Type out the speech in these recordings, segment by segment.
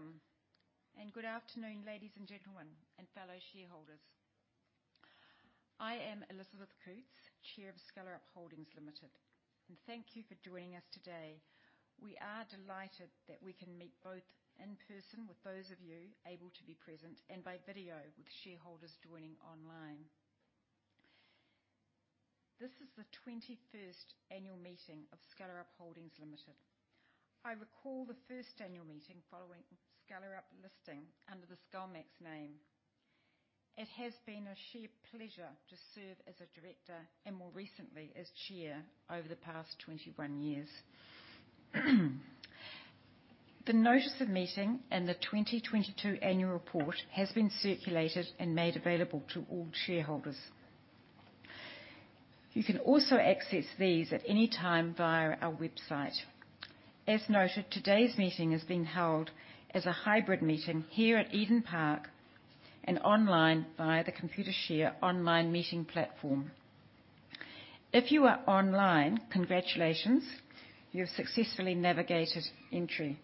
Welcome and good afternoon, ladies and gentlemen and fellow shareholders. I am Elizabeth Coutts, Chair of Skellerup Holdings Limited, and thank you for joining us today. We are delighted that we can meet both in person with those of you able to be present and by video with shareholders joining online. This is the 21st annual meeting of Skellerup Holdings Limited. I recall the first annual meeting following Skellerup listing under the Skellmax name. It has been a sheer pleasure to serve as a director and more recently as chair over the past 21 years. The notice of meeting and the 2022 annual report has been circulated and made available to all shareholders. You can also access these at any time via our website. As noted, today's meeting is being held as a hybrid meeting here at Eden Park and online via the Computershare online meeting platform. If you are online, congratulations, you have successfully navigated entry.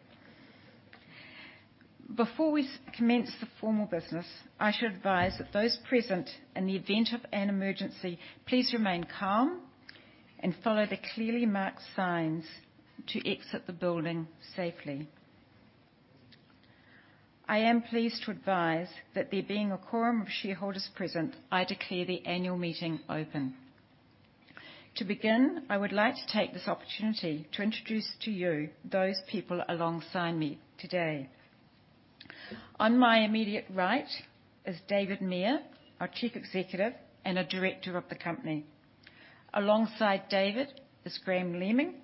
Before we commence the formal business, I should advise that those present, in the event of an emergency, please remain calm and follow the clearly marked signs to exit the building safely. I am pleased to advise that there being a quorum of shareholders present, I declare the annual meeting open. To begin, I would like to take this opportunity to introduce to you those people alongside me today. On my immediate right is David Mair, our Chief Executive and a Director of the company. Alongside David is Graham Leaming,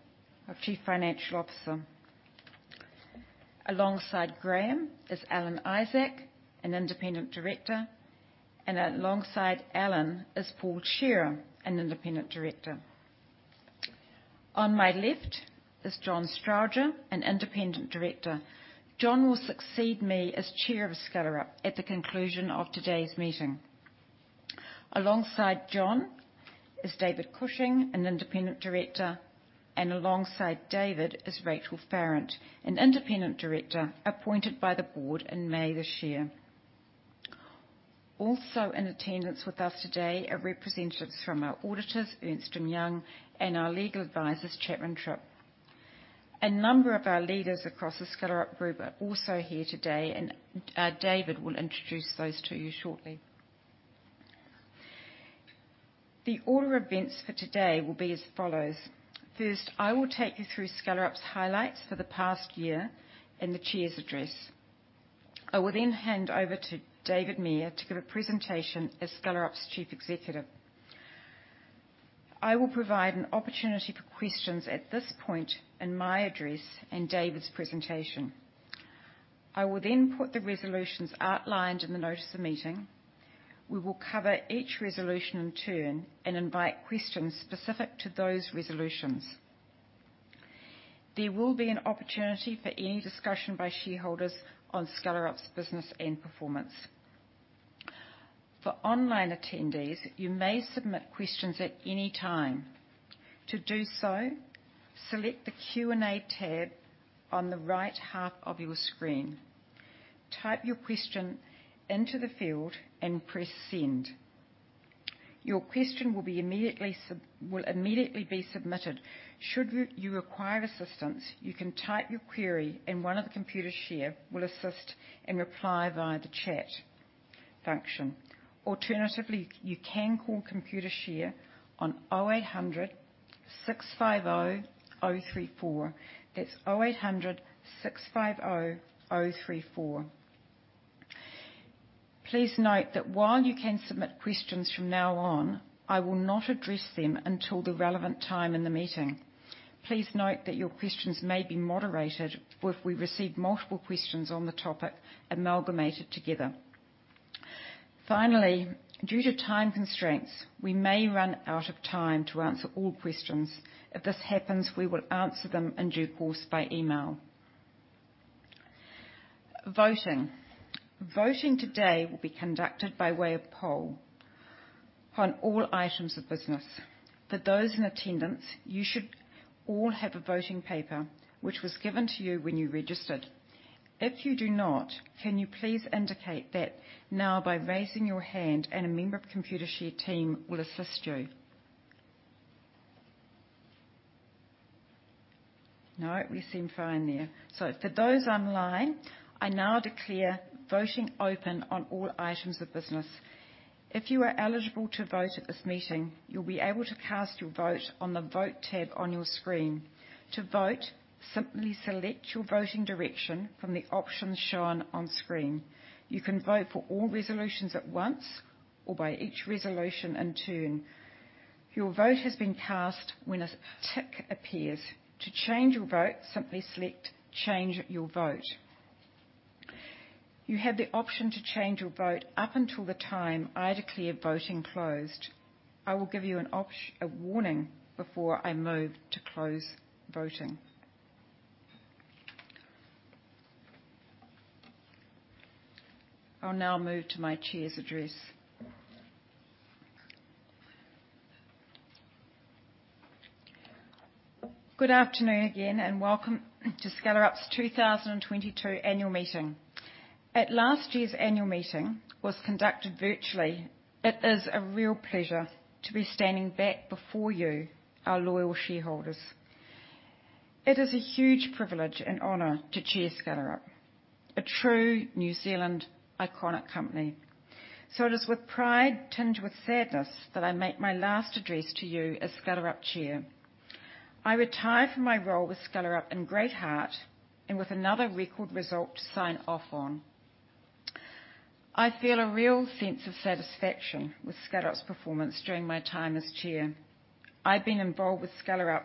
our Chief Financial Officer. Alongside Graham is Alan Isaac, an Independent Director. Alongside Alan is Paul Shearer, an Independent Director. On my left is John Strowger, an Independent Director. John will succeed me as Chair of Skellerup at the conclusion of today's meeting. Alongside John is David Cushing, an Independent Director. Alongside David is Rachel Farrant, an Independent Director appointed by the board in May this year. Also, in attendance with us today are representatives from our auditors, Ernst & Young and our legal advisors, Chapman Tripp. A number of our leaders across the Skellerup Group are also here today, and David will introduce those to you shortly. The order of events for today will be as follows. First, I will take you through Skellerup's highlights for the past year and the Chair's Address. I will then hand over to David Mair to give a presentation as Skellerup's Chief Executive. I will provide an opportunity for questions at this point in my address and David's presentation. I will then put the resolutions outlined in the notice of meeting. We will cover each resolution in turn and invite questions specific to those resolutions. There will be an opportunity for any discussion by shareholders on Skellerup's business and performance. For online attendees, you may submit questions at any time. To do so, select the Q&A tab on the right hand of your screen. Type your question into the field and press Send. Your question will immediately be submitted. Should you require assistance, you can type your query and one of the Computershare will assist and reply via the chat function. Alternatively, you can call Computershare on 0800 650 034. That's 0800 650 034. Please note that while you can submit questions from now on, I will not address them until the relevant time in the meeting. Please note that your questions may be moderated or if we receive multiple questions on the topic amalgamated together. Finally, due to time constraints, we may run out of time to answer all questions. If this happens, we will answer them in due course by email. Voting. Voting today will be conducted by way of poll on all items of business. For those in attendance, you should all have a voting paper which was given to you when you registered. If you do not, can you please indicate that now by raising your hand and a member of Computershare team will assist you. No, we seem fine there. For those online, I now declare voting open on all items of business. If you are eligible to vote at this meeting, you'll be able to cast your vote on the Vote tab on your screen. To vote, simply select your voting direction from the options shown on screen. You can vote for all resolutions at once or by each resolution in turn. Your vote has been cast when a tick appears. To change your vote, simply select Change your vote. You have the option to change your vote up until the time I declare voting closed. I will give you a warning before I move to close voting. I'll now move to my Chair's Address. Good afternoon again and welcome to Skellerup's 2022 annual meeting. As last year's annual meeting was conducted virtually, it is a real pleasure to be standing back before you, our loyal shareholders. It is a huge privilege and honor to chair Skellerup, a true New Zealand iconic company. It is with pride tinged with sadness that I make my last address to you as Skellerup chair. I retire from my role with Skellerup in great heart and with another record result to sign off on. I feel a real sense of satisfaction with Skellerup's performance during my time as chair. I've been involved with Skellerup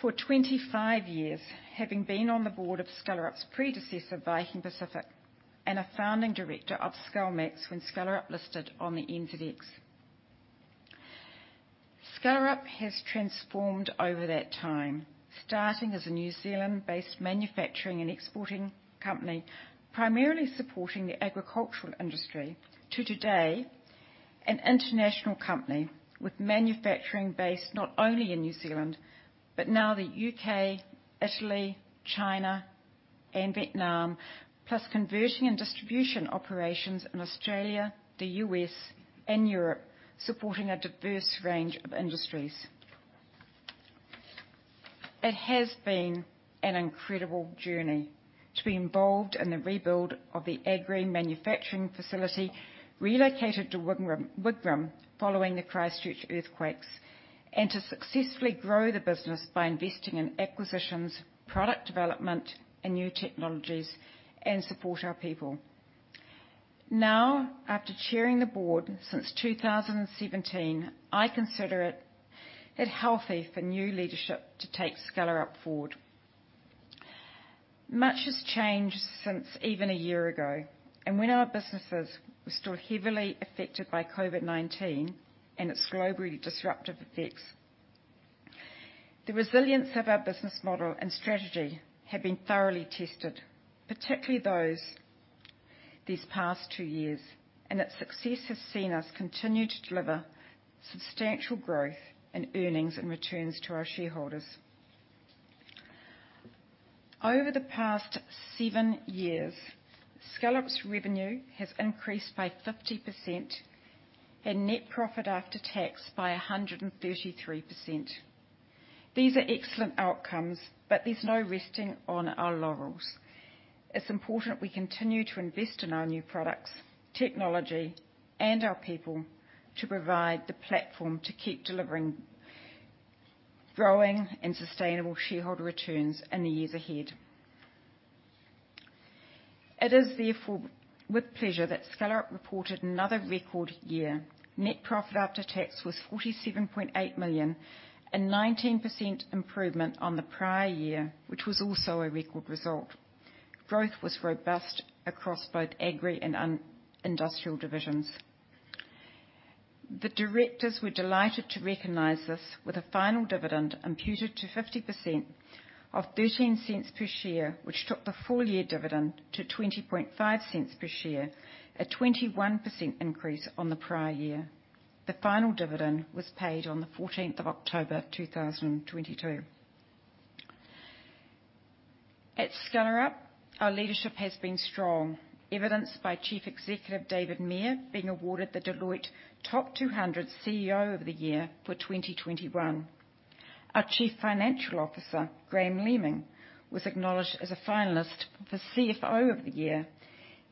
for 25 years, having been on the board of Skellerup's predecessor, Viking Pacific, and a founding director of Skellmax when Skellerup listed on the NZX. Skellerup has transformed over that time, starting as a New Zealand-based manufacturing and exporting company, primarily supporting the agricultural industry. Today, an international company with manufacturing base, not only in New Zealand, but now the UK, Italy, China, and Vietnam, plus conversion and distribution operations in Australia, the US, and Europe, supporting a diverse range of industries. It has been an incredible journey to be involved in the rebuild of the Agri manufacturing facility, relocated to Wigram following the Christchurch earthquakes, and to successfully grow the business by investing in acquisitions, product development, and new technologies to support our people. Now, after chairing the board since 2017, I consider it healthy for new leadership to take Skellerup forward. Much has changed since even a year ago, when our businesses were still heavily affected by COVID-19 and its globally disruptive effects. The resilience of our business model and strategy have been thoroughly tested, particularly over these past two years, and its success has seen us continue to deliver substantial growth and earnings and returns to our shareholders. Over the past seven years, Skellerup's revenue has increased by 50% and net profit after tax by 133%. These are excellent outcomes, but there's no resting on our laurels. It's important we continue to invest in our new products, technology, and our people to provide the platform to keep delivering growing and sustainable shareholder returns in the years ahead. It is therefore with pleasure that Skellerup reported another record year. Net profit after tax was 47.8 million, a 19% improvement on the prior year, which was also a record result. Growth was robust across both Agri and Industrial divisions. The directors were delighted to recognize this with a final dividend imputed to 50% of 0.13 per share, which took the full-year dividend to 0.205 per share, a 21% increase on the prior year. The final dividend was paid on the 14th of October 2022. At Skellerup, our leadership has been strong, evidenced by Chief Executive David Mair being awarded the Deloitte Top 200 CEO of the year for 2021. Our Chief Financial Officer, Graham Leaming, was acknowledged as a finalist for CFO of the year,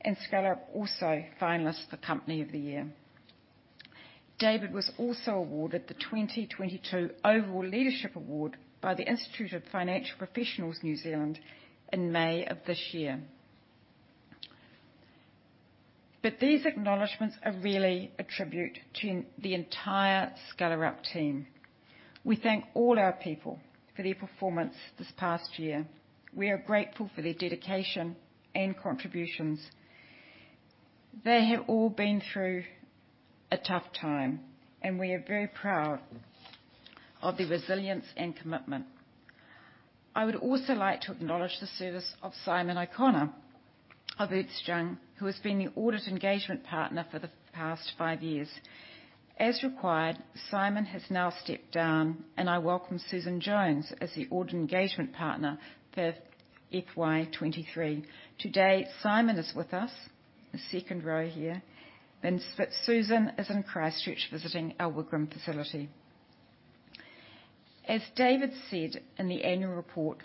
and Skellerup was also a finalist for Company of the year. David was also awarded the 2022 Overall Leadership Award by the Institute of Finance Professionals New Zealand in May of this year. These acknowledgments are really a tribute to the entire Skellerup team. We thank all our people for their performance this past year. We are grateful for their dedication and contributions. They have all been through a tough time, and we are very proud of their resilience and commitment. I would also like to acknowledge the service of Simon O'Connor of Ernst & Young, who has been the audit engagement partner for the past five years. As required, Simon has now stepped down, and I welcome Susan Jones as the audit engagement partner for FY 2023. Today, Simon is with us, the second row here, and Susan is in Christchurch, visiting our Wigram facility. As David said in the annual report,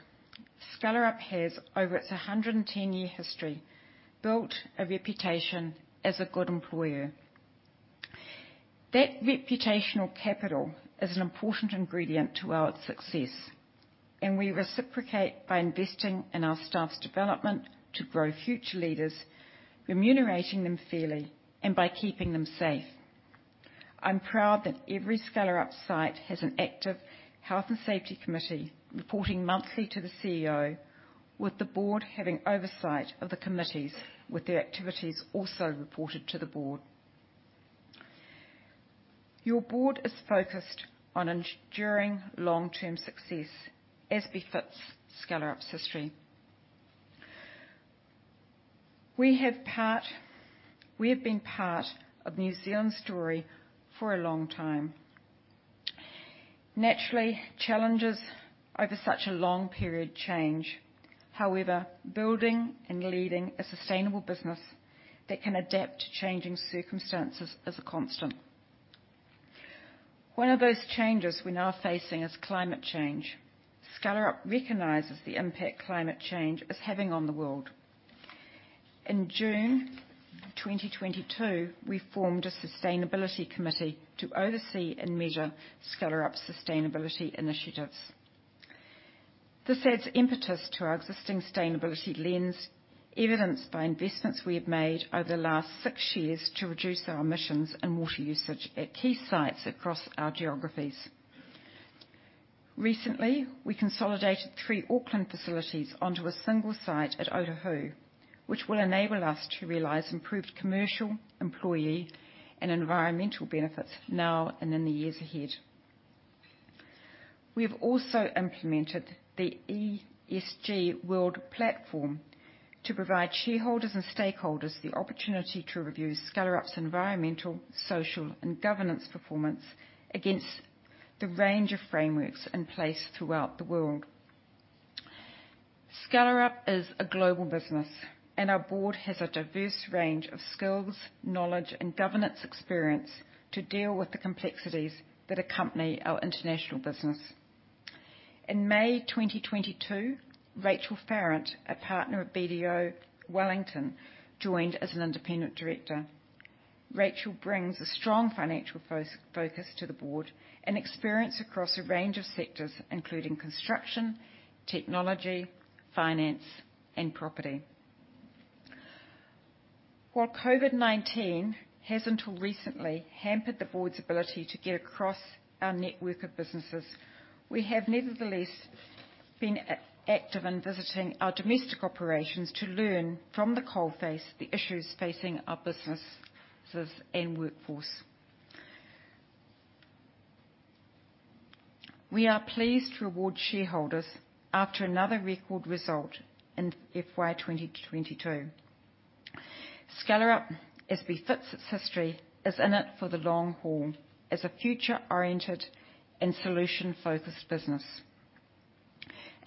Skellerup has, over its 110-year history, built a reputation as a good employer. That reputational capital is an important ingredient to our success, and we reciprocate by investing in our staff's development to grow future leaders, remunerating them fairly, and by keeping them safe. I'm proud that every Skellerup site has an active health and safety committee, reporting monthly to the CEO, with the board having oversight of the committees, with their activities also reported to the board. Your board is focused on enduring long-term success, as befits Skellerup's history. We have been part of New Zealand's story for a long time. Naturally, challenges over such a long period change. However, building and leading a sustainable business that can adapt to changing circumstances is a constant. One of those changes we're now facing is climate change. Skellerup recognizes the impact climate change is having on the world. In June 2022, we formed a sustainability committee to oversee and measure Skellerup's sustainability initiatives. This adds impetus to our existing sustainability lens, evidenced by investments we have made over the last six years to reduce our emissions and water usage at key sites across our geographies. Recently, we consolidated three Auckland facilities onto a single site at Ōtāhuhu, which will enable us to realize improved commercial, employee, and environmental benefits now and in the years ahead. We have also implemented the ESG World platform to provide shareholders and stakeholders the opportunity to review Skellerup's environmental, social, and governance performance against the range of frameworks in place throughout the world. Skellerup is a global business, and our board has a diverse range of skills, knowledge, and governance experience to deal with the complexities that accompany our international business. In May 2022, Rachel Farrant, a partner at BDO Wellington, joined as an Independent Director. Rachel brings a strong financial focus to the board and experience across a range of sectors, including construction, technology, finance, and property. While COVID-19 has until recently hampered the board's ability to get across our network of businesses, we have nevertheless been active in visiting our domestic operations to learn from the coal face the issues facing our businesses and workforce. We are pleased to reward shareholders after another record result in FY 2022. Skellerup, as befits its history, is in it for the long haul as a future-oriented and solution-focused business.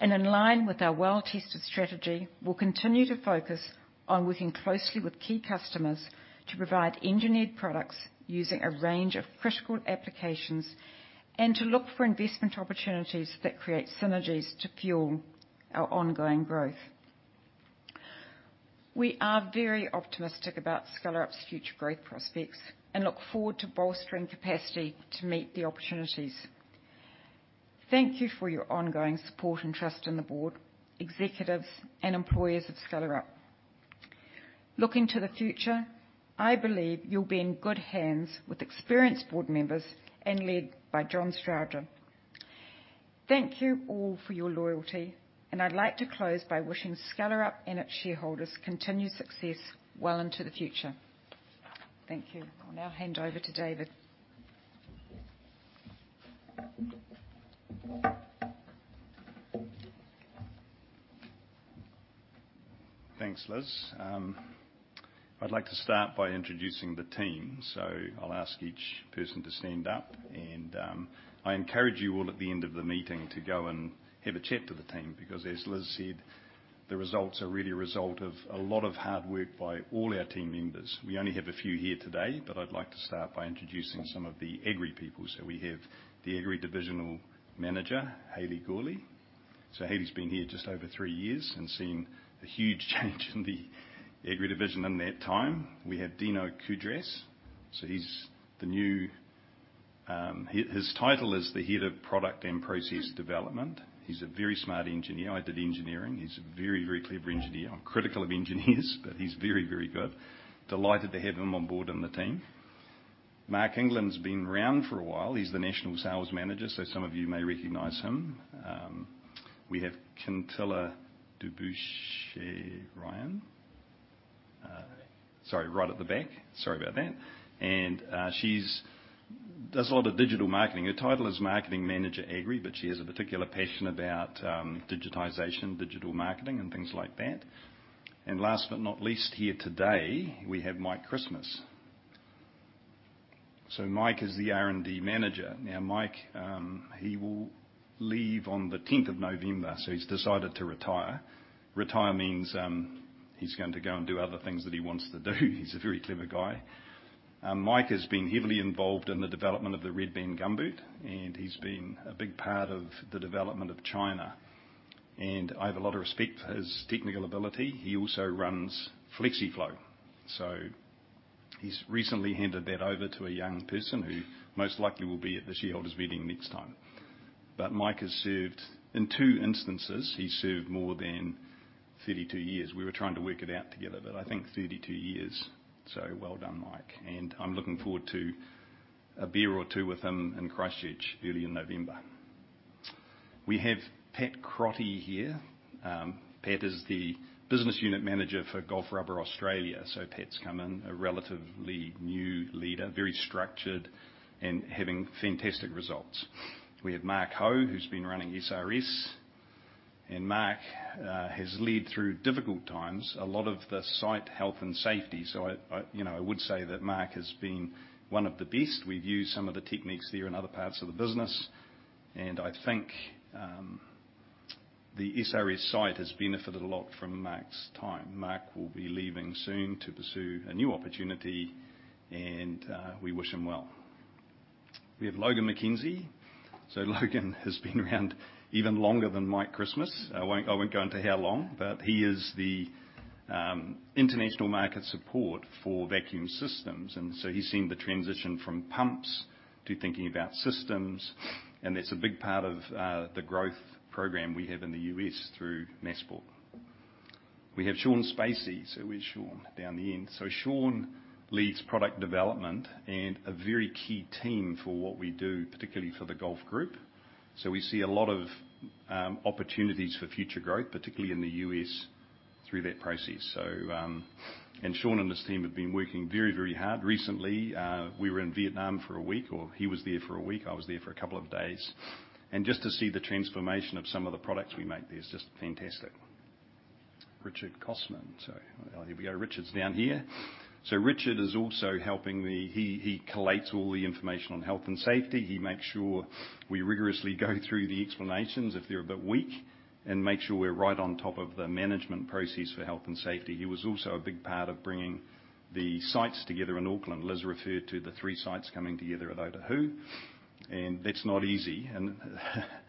In line with our well-tested strategy, we'll continue to focus on working closely with key customers to provide engineered products using a range of critical applications and to look for investment opportunities that create synergies to fuel our ongoing growth. We are very optimistic about Skellerup's future growth prospects and look forward to bolstering capacity to meet the opportunities. Thank you for your ongoing support and trust in the board, executives, and employees of Skellerup. Looking to the future, I believe you'll be in good hands with experienced board members and led by John Strowger. Thank you all for your loyalty, and I'd like to close by wishing Skellerup and its shareholders continued success well into the future. Thank you. I'll now hand over to David. Thanks, Liz. I'd like to start by introducing the team, I'll ask each person to stand up and I encourage you all at the end of the meeting to go and have a chat with the team, because as Liz said, the results are really a result of a lot of hard work by all our team members. We only have a few here today, but I'd like to start by introducing some of the Agri people. We have the Agri Divisional Manager, Hayley Gourley. Hayley's been here just over three years and seen a huge change in the Agri division in that time. We have Dino Kudrass. He's the new. His title is the Head of Product and Process Development. He's a very smart engineer. I did engineering. He's a very, very clever engineer. I'm critical of engineers, but he's very, very good. Delighted to have him on board in the team. Mark Inkster's been around for a while. He's the National Sales Manager, so some of you may recognize him. We have Kentillah du Bouchet Ryan. Sorry, right at the back. Sorry about that. She does a lot of digital marketing. Her title is marketing manager Agri, but she has a particular passion about digitization, digital marketing, and things like that. Last but not least, here today, we have Mike Mastrovich. Mike is the R&D Manager. Now, Mike, he will leave on the 10th of November, so he's decided to retire. Retire means, he's going to go and do other things that he wants to do. He's a very clever guy. Mike has been heavily involved in the development of the Red Band gumboot, and he's been a big part of the development of China. I have a lot of respect for his technical ability. He also runs Flexiflow. He's recently handed that over to a young person who most likely will be at the shareholders' meeting next time. Mike has served, in two instances, more than 32 years. We were trying to work it out together, but I think 32 years. Well done, Mike. I'm looking forward to a beer or two with him in Christchurch early in November. We have Pat O'Loughlin here. Pat is the business unit manager for Gulf Rubber Australia. Pat's come in as a relatively new leader, very structured and having fantastic results. We have Mark Houlahan, who's been running SRS. Mark Houlahan has led through difficult times a lot of the site health and safety. You know, I would say that Mark Houlahan has been one of the best. We've used some of the techniques there in other parts of the business, and I think the SRS site has benefited a lot from Mark Houlahan's time. Mark Houlahan will be leaving soon to pursue a new opportunity, and we wish him well. We have Don McKenzie. Logon has been around even longer than Michael Mastrovich. I won't go into how long, but he is the international market support for vacuum systems, and so he's seen the transition from pumps to thinking about systems, and that's a big part of the growth program we have in the U.S. through Masport. We have Shaun Spacey. Where's Shaun? Down the end. Shaun leads product development and a very key team for what we do, particularly for the Gulf group. We see a lot of opportunities for future growth, particularly in the U.S. through that process. And Shaun and his team have been working very, very hard. Recently, we were in Vietnam for a week, or he was there for a week. I was there for a couple of days. Just to see the transformation of some of the products we make there is just fantastic. Richard Cosman. Here we go. Richard's down here. Richard is also helping me. He collates all the information on health and safety. He makes sure we rigorously go through the explanations if they're a bit weak, and makes sure we're right on top of the management process for health and safety. He was also a big part of bringing the sites together in Auckland. Elizabeth referred to the three sites coming together at Ōtāhuhu, and that's not easy, and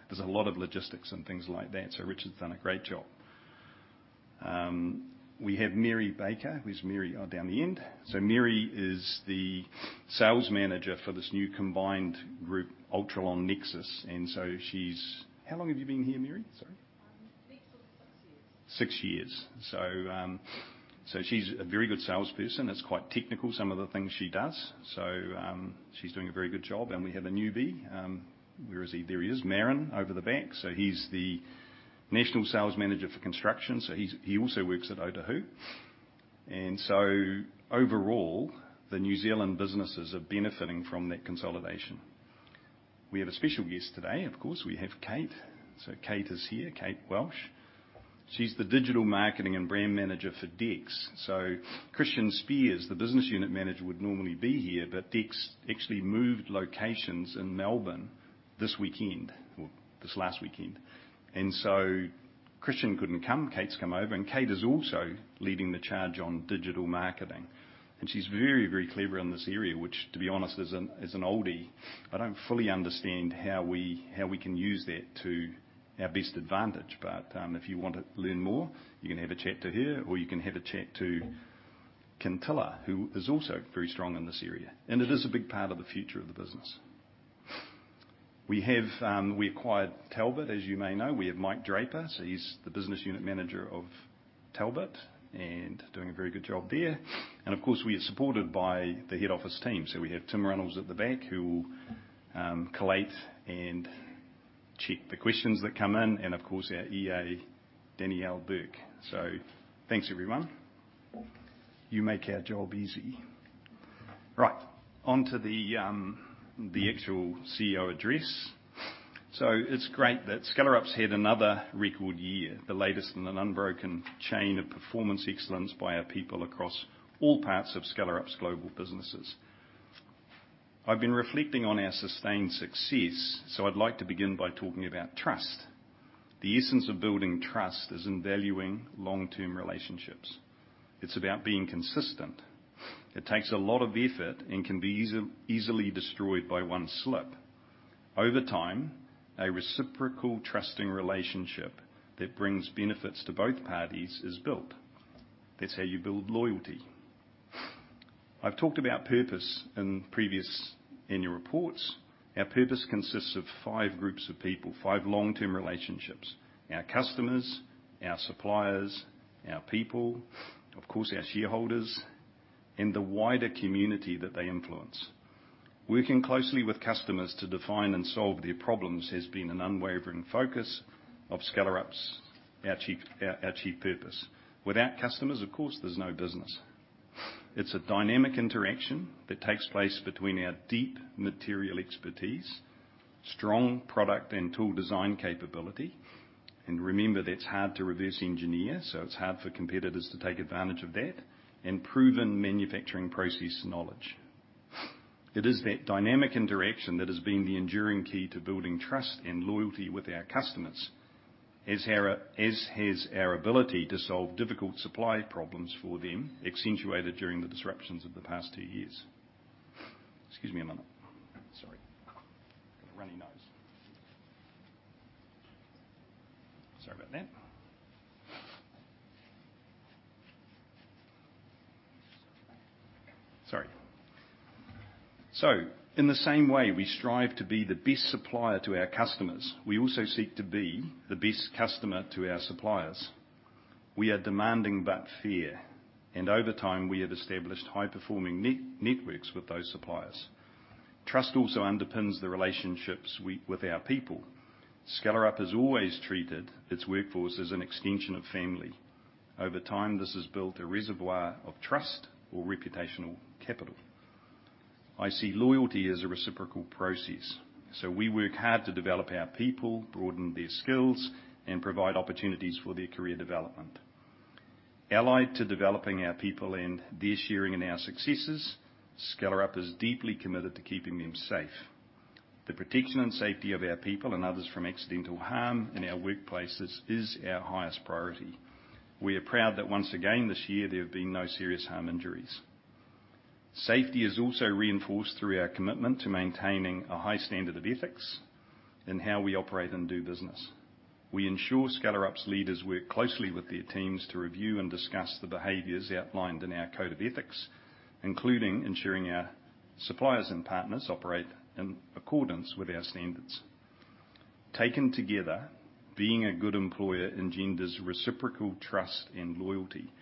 there's a lot of logistics and things like that. Richard Cosman's done a great job. We have Marie Baxter. Where's Marie? Oh, down the end. Marie is the sales manager for this new combined group, Ultralon Nexus. How long have you been here, Marie? Sorry. 6 or 7 years. Six years. She's a very good salesperson. It's quite technical, some of the things she does. She's doing a very good job. We have a newbie. Where is he? There he is. Mervyn, over the back. He's the national sales manager for construction. He also works at Ōtāhuhu. Overall, the New Zealand businesses are benefiting from that consolidation. We have a special guest today, of course. We have Kate. Kate is here. Kate Walsh. She's the Digital Marketing and Brand Manager for DEKS. Christian Spears, the Business Unit Manager, would normally be here, but DEKS actually moved locations in Melbourne this weekend, or this last weekend. Christian couldn't come. Kate's come over, and Kate is also leading the charge on digital marketing. She's very, very clever in this area, which to be honest, as an oldie, I don't fully understand how we can use that to our best advantage. If you want to learn more, you can have a chat to her, or you can have a chat to Kentillah, who is also very strong in this area. It is a big part of the future of the business. We acquired Talbot, as you may know. We have Mike Draper, so he's the Business Unit Manager of Talbot and doing a very good job there. Of course, we are supported by the head office team. We have Tim Runnalls at the back, who will collate and check the questions that come in, and of course, our EA, Danielle Burke. Thanks, everyone. You make our job easy. Right. On to the actual CEO Address. It's great that Skellerup's had another record year, the latest in an unbroken chain of performance excellence by our people across all parts of Skellerup's global businesses. I've been reflecting on our sustained success. I'd like to begin by talking about trust. The essence of building trust is in valuing long-term relationships. It's about being consistent. It takes a lot of effort and can be easily destroyed by one slip. Over time, a reciprocal trusting relationship that brings benefits to both parties is built. That's how you build loyalty. I've talked about purpose in previous annual reports. Our purpose consists of five groups of people, five long-term relationships. Our customers, our suppliers, our people, of course our shareholders, and the wider community that they influence. Working closely with customers to define and solve their problems has been an unwavering focus of Skellerup's, our chief purpose. Without customers, of course, there's no business. It's a dynamic interaction that takes place between our deep material expertise, strong product and tool design capability, and remember, that's hard to reverse engineer, so it's hard for competitors to take advantage of that, and proven manufacturing process knowledge. It is that dynamic interaction that has been the enduring key to building trust and loyalty with our customers, as has our ability to solve difficult supply problems for them, accentuated during the disruptions of the past two years. Excuse me a moment. Sorry. Got a runny nose. Sorry about that. Sorry. In the same way we strive to be the best supplier to our customers, we also seek to be the best customer to our suppliers. We are dismantling that fear, and over time, we have established high-performing networks with those suppliers. Trust also underpins the relationships we have with our people. Skellerup has always treated its workforce as an extension of family. Over time, this has built a reservoir of trust or reputational capital. I see loyalty as a reciprocal process. We work hard to develop our people, broaden their skills, and provide opportunities for their career development. Allied to developing our people and their sharing in our successes, Skellerup is deeply committed to keeping them safe. The protection and safety of our people and others from accidental harm in our workplaces is our highest priority. We are proud that once again, this year, there have been no serious harm injuries. Safety is also reinforced through our commitment to maintaining a high standard of ethics in how we operate and do business. We ensure Skellerup's leaders work closely with their teams to review and discuss the behaviors outlined in our code of ethics, including ensuring our suppliers and partners operate in accordance with our standards. Taken together, being a good employer engenders reciprocal trust and loyalty,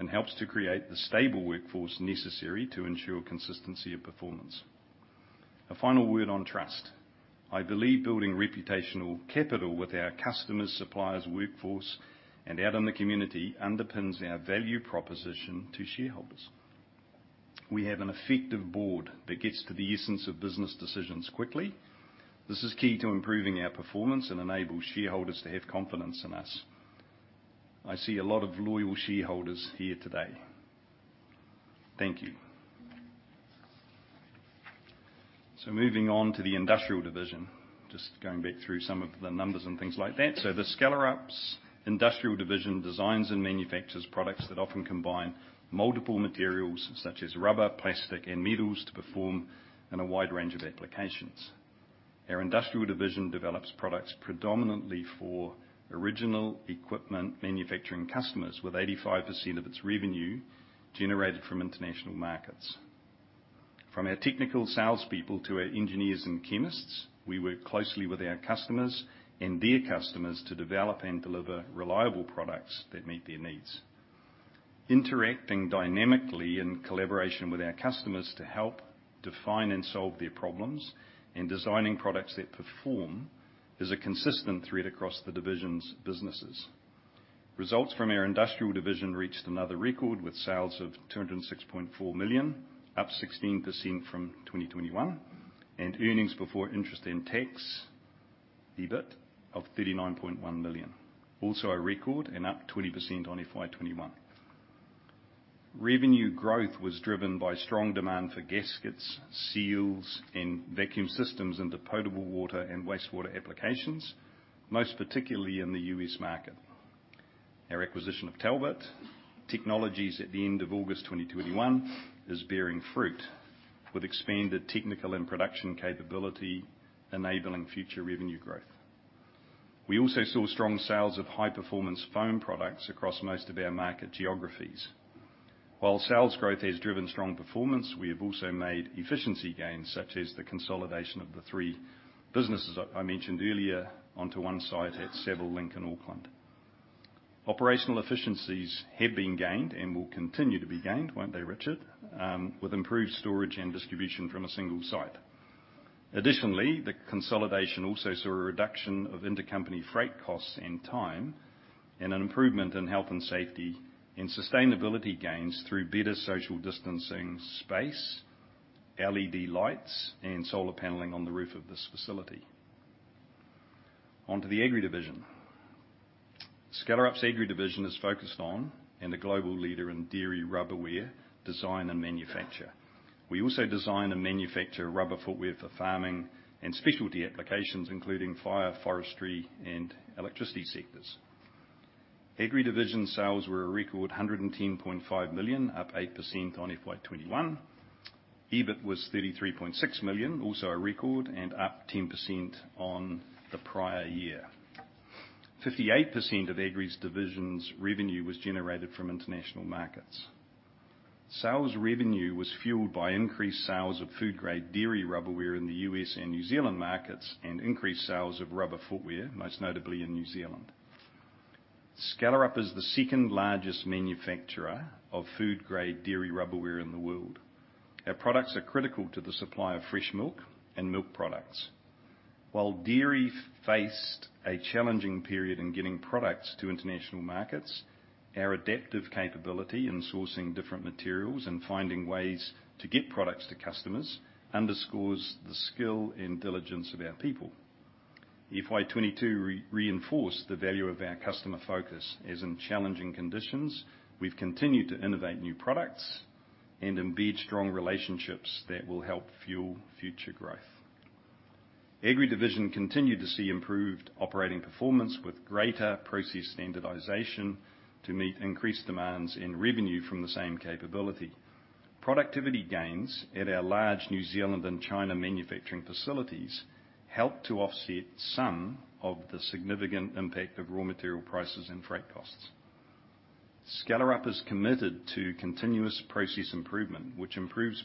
and helps to create the stable workforce necessary to ensure consistency of performance. A final word on trust. I believe building reputational capital with our customers, suppliers, workforce, and out in the community underpins our value proposition to shareholders. We have an effective board that gets to the essence of business decisions quickly. This is key to improving our performance and enables shareholders to have confidence in us. I see a lot of loyal shareholders here today. Thank you. Moving on to the Industrial Division, just going back through some of the numbers and things like that. Skellerup's Industrial Division designs and manufactures products that often combine multiple materials such as rubber, plastic, and metals to perform in a wide range of applications. Our Industrial Division develops products predominantly for original equipment manufacturing customers, with 85% of its revenue generated from international markets. From our technical salespeople to our engineers and chemists, we work closely with our customers and their customers to develop and deliver reliable products that meet their needs. Interacting dynamically in collaboration with our customers to help define and solve their problems, and designing products that perform, is a consistent thread across the division's businesses. Results from our Industrial Division reached another record with sales of 206.4 million, up 16% from 2021, and earnings before interest and tax, EBIT, of 39.1 million. Also a record and up 20% on FY 2021. Revenue growth was driven by strong demand for gaskets, seals, and vacuum systems into potable water and wastewater applications, most particularly in the US market. Our acquisition of Talbot Technologies at the end of August 2021 is bearing fruit, with expanded technical and production capability enabling future revenue growth. We also saw strong sales of high-performance foam products across most of our market geographies. While sales growth has driven strong performance, we have also made efficiency gains, such as the consolidation of the three businesses I mentioned earlier onto one site at Savill Link in Auckland. Operational efficiencies have been gained and will continue to be gained, won't they, Richard? With improved storage and distribution from a single site. Additionally, the consolidation also saw a reduction of intercompany freight costs and time, and an improvement in health and safety, and sustainability gains through better social distancing space, LED lights, and solar paneling on the roof of this facility. On to the Agri Division. Skellerup's Agri Division is focused on, and a global leader in dairy rubberware design and manufacture. We also design and manufacture rubber footwear for farming and specialty applications, including fire, forestry, and electricity sectors. Agri Division sales were a record 110.5 million, up 8% on FY 2021. EBIT was 33.6 million, also a record, and up 10% on the prior year. 58% of Agri Division's revenue was generated from international markets. Sales revenue was fueled by increased sales of food-grade dairy rubberware in the US and New Zealand markets, and increased sales of rubber footwear, most notably in New Zealand. Skellerup is the second-largest manufacturer of food-grade dairy rubberware in the world. Our products are critical to the supply of fresh milk and milk products. While dairy faced a challenging period in getting products to international markets, our adaptive capability in sourcing different materials and finding ways to get products to customers underscores the skill and diligence of our people. FY 2022 reinforced the value of our customer focus, as in challenging conditions, we've continued to innovate new products and embed strong relationships that will help fuel future growth. Agri Division continued to see improved operating performance with greater process standardization to meet increased demands in revenue from the same capability. Productivity gains at our large New Zealand and China manufacturing facilities helped to offset some of the significant impact of raw material prices and freight costs. Skellerup is committed to continuous process improvement, which improves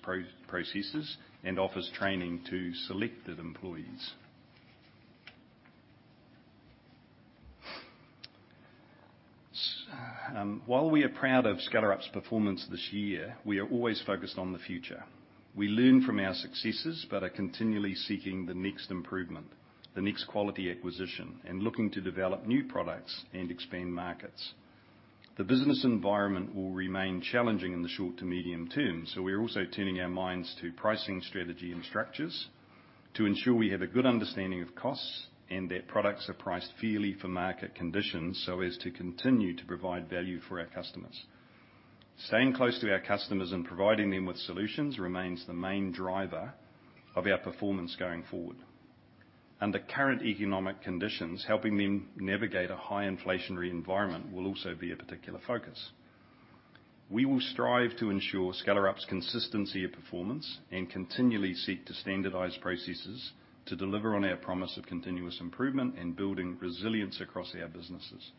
processes and offers training to selected employees. While we are proud of Skellerup's performance this year, we are always focused on the future. We learn from our successes, but are continually seeking the next improvement, the next quality acquisition, and looking to develop new products and expand markets. The business environment will remain challenging in the short to medium term, so we're also turning our minds to pricing strategy and structures to ensure we have a good understanding of costs and that products are priced fairly for market conditions, so as to continue to provide value for our customers. Staying close to our customers and providing them with solutions remains the main driver of our performance going forward. Under current economic conditions, helping them navigate a high inflationary environment will also be a particular focus. We will strive to ensure Skellerup's consistency of performance and continually seek to standardize processes to deliver on our promise of continuous improvement and building resilience across our businesses.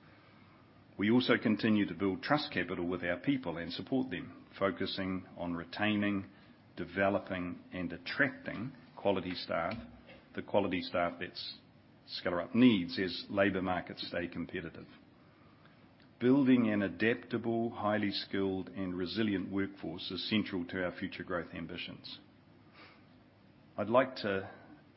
We also continue to build trust capital with our people and support them, focusing on retaining, developing, and attracting quality staff that Skellerup needs as labor markets stay competitive. Building an adaptable, highly skilled, and resilient workforce is central to our future growth ambitions. I'd like to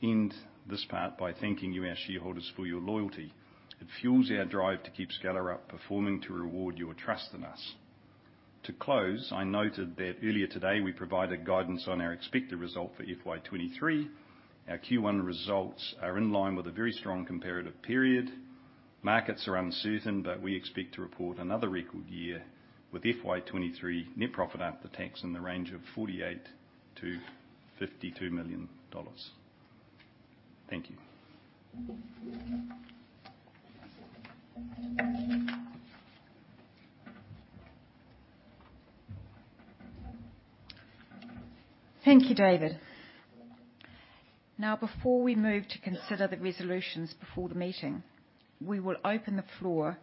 end this part by thanking you, our shareholders, for your loyalty. It fuels our drive to keep Skellerup performing to reward your trust in us. To close, I noted that earlier today we provided guidance on our expected result for FY 2023. Our Q1 results are in line with a very strong comparative period. Markets are uncertain, but we expect to report another record year with FY 2023 net profit after tax in the range of 48 million-52 million dollars. Thank you. Thank you, David. Now, before we move to consider the resolutions before the meeting, we will open the floor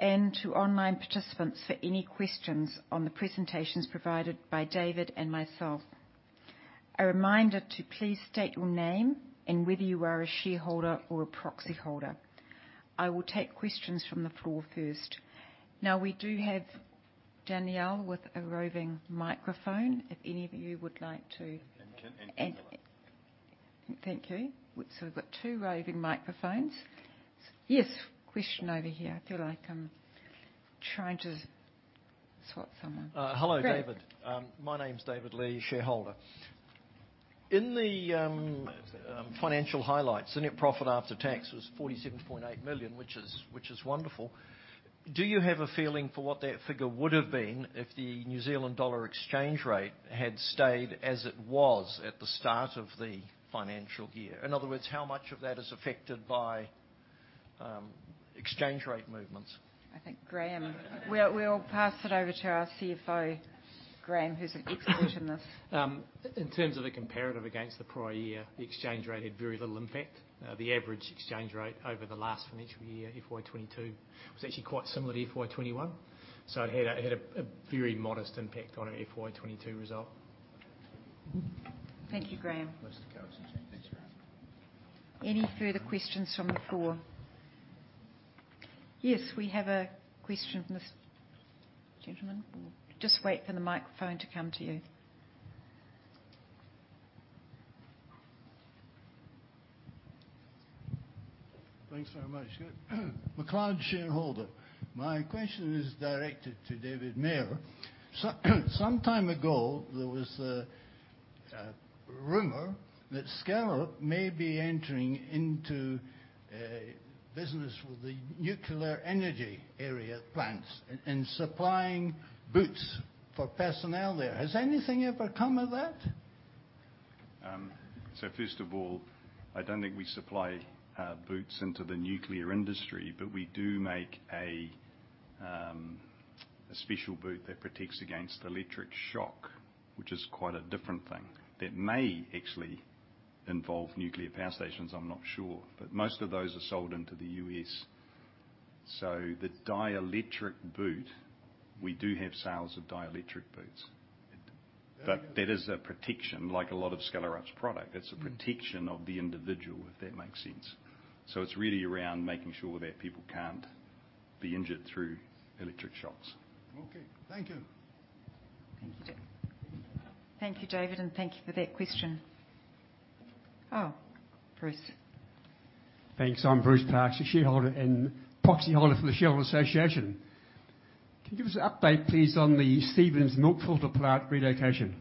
and to online participants for any questions on the presentations provided by David and myself. A reminder to please state your name and whether you are a shareholder or a proxy holder. I will take questions from the floor first. Now, we do have Danielle with a roving microphone. If any of you would like to- Camilla. Thank you. We've got two roving microphones. Yes, question over here. I feel like I'm trying to swap someone. Hello, David. My name's David Lee, shareholder. In the financial highlights, the net profit after tax was 47.8 million, which is wonderful. Do you have a feeling for what that figure would have been if the New Zealand dollar exchange rate had stayed as it was at the start of the financial year? In other words, how much of that is affected by exchange rate movements? I think, Graham. We'll pass it over to our CFO, Graham, who's an expert in this. In terms of the comparative against the prior year, the exchange rate had very little impact. The average exchange rate over the last financial year, FY 2022, was actually quite similar to FY 2021. It had a very modest impact on our FY 2022 result. Thank you, Graham. Close to currency. Thanks, Graham. Any further questions from the floor? Yes, we have a question from this gentleman. Just wait for the microphone to come to you. Thanks very much. McLeod, shareholder. My question is directed to David Mair. Some time ago, there was a rumor that Skellerup may be entering into a business with the nuclear energy area plants and supplying boots for personnel there. Has anything ever come of that? First of all, I don't think we supply boots into the nuclear industry, but we do make a special boot that protects against electric shock, which is quite a different thing. That may actually involve nuclear power stations, I'm not sure. Most of those are sold into the U.S. The dielectric boot, we do have sales of dielectric boots. That is a protection like a lot of Skellerup's product. It's a protection of the individual, if that makes sense. It's really around making sure that people can't be injured through electric shocks. Okay, thank you. Thank you, David, and thank you for that question. Oh, Bruce. Thanks. I'm Bruce Parkes, a shareholder and proxy holder for the Shareholder Association. Can you give us an update, please, on the Stevens milk filter plant relocation?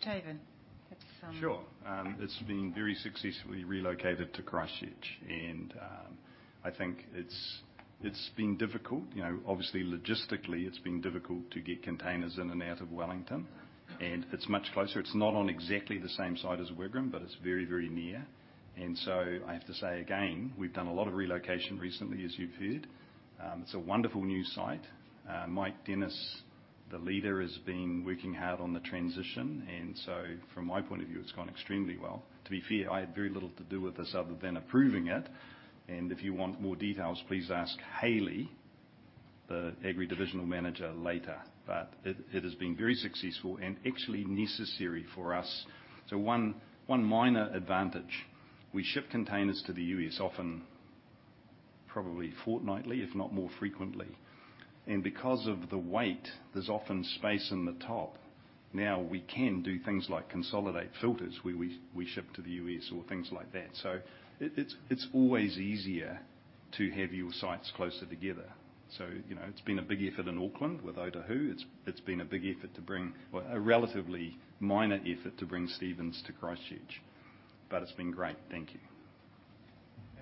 David, if some- Sure. It's been very successfully relocated to Christchurch, and I think it's been difficult. You know, obviously, logistically, it's been difficult to get containers in and out of Wellington, and it's much closer. It's not on exactly the same site as Wigram, but it's very, very near. I have to say again, we've done a lot of relocation recently, as you've heard. It's a wonderful new site. Mike Dennis, the leader, has been working hard on the transition. From my point of view, it's gone extremely well. To be fair, I had very little to do with this other than approving it. If you want more details, please ask Hayley, the Agri Divisional Manager, later. It has been very successful and actually necessary for us. One minor advantage, we ship containers to the US often, probably fortnightly, if not more frequently. Because of the weight, there's often space in the top. Now we can do things like consolidate filters where we ship to the US or things like that. It's always easier to have your sites closer together. You know, it's been a big effort in Auckland with Ōtāhuhu. It's been a relatively minor effort to bring Stevens to Christchurch, but it's been great. Thank you.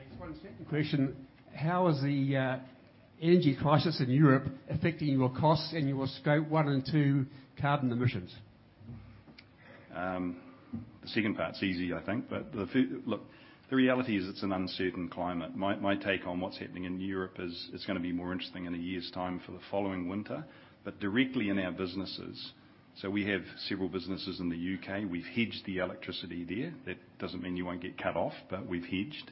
Just one second question. How is the energy crisis in Europe affecting your costs and your Scope 1 and 2 carbon emissions? The second part's easy, I think. Look, the reality is it's an uncertain climate. My take on what's happening in Europe is it's gonna be more interesting in a year's time for the following winter. Directly in our businesses, we have several businesses in the UK. We've hedged the electricity there. That doesn't mean you won't get cut off, but we've hedged.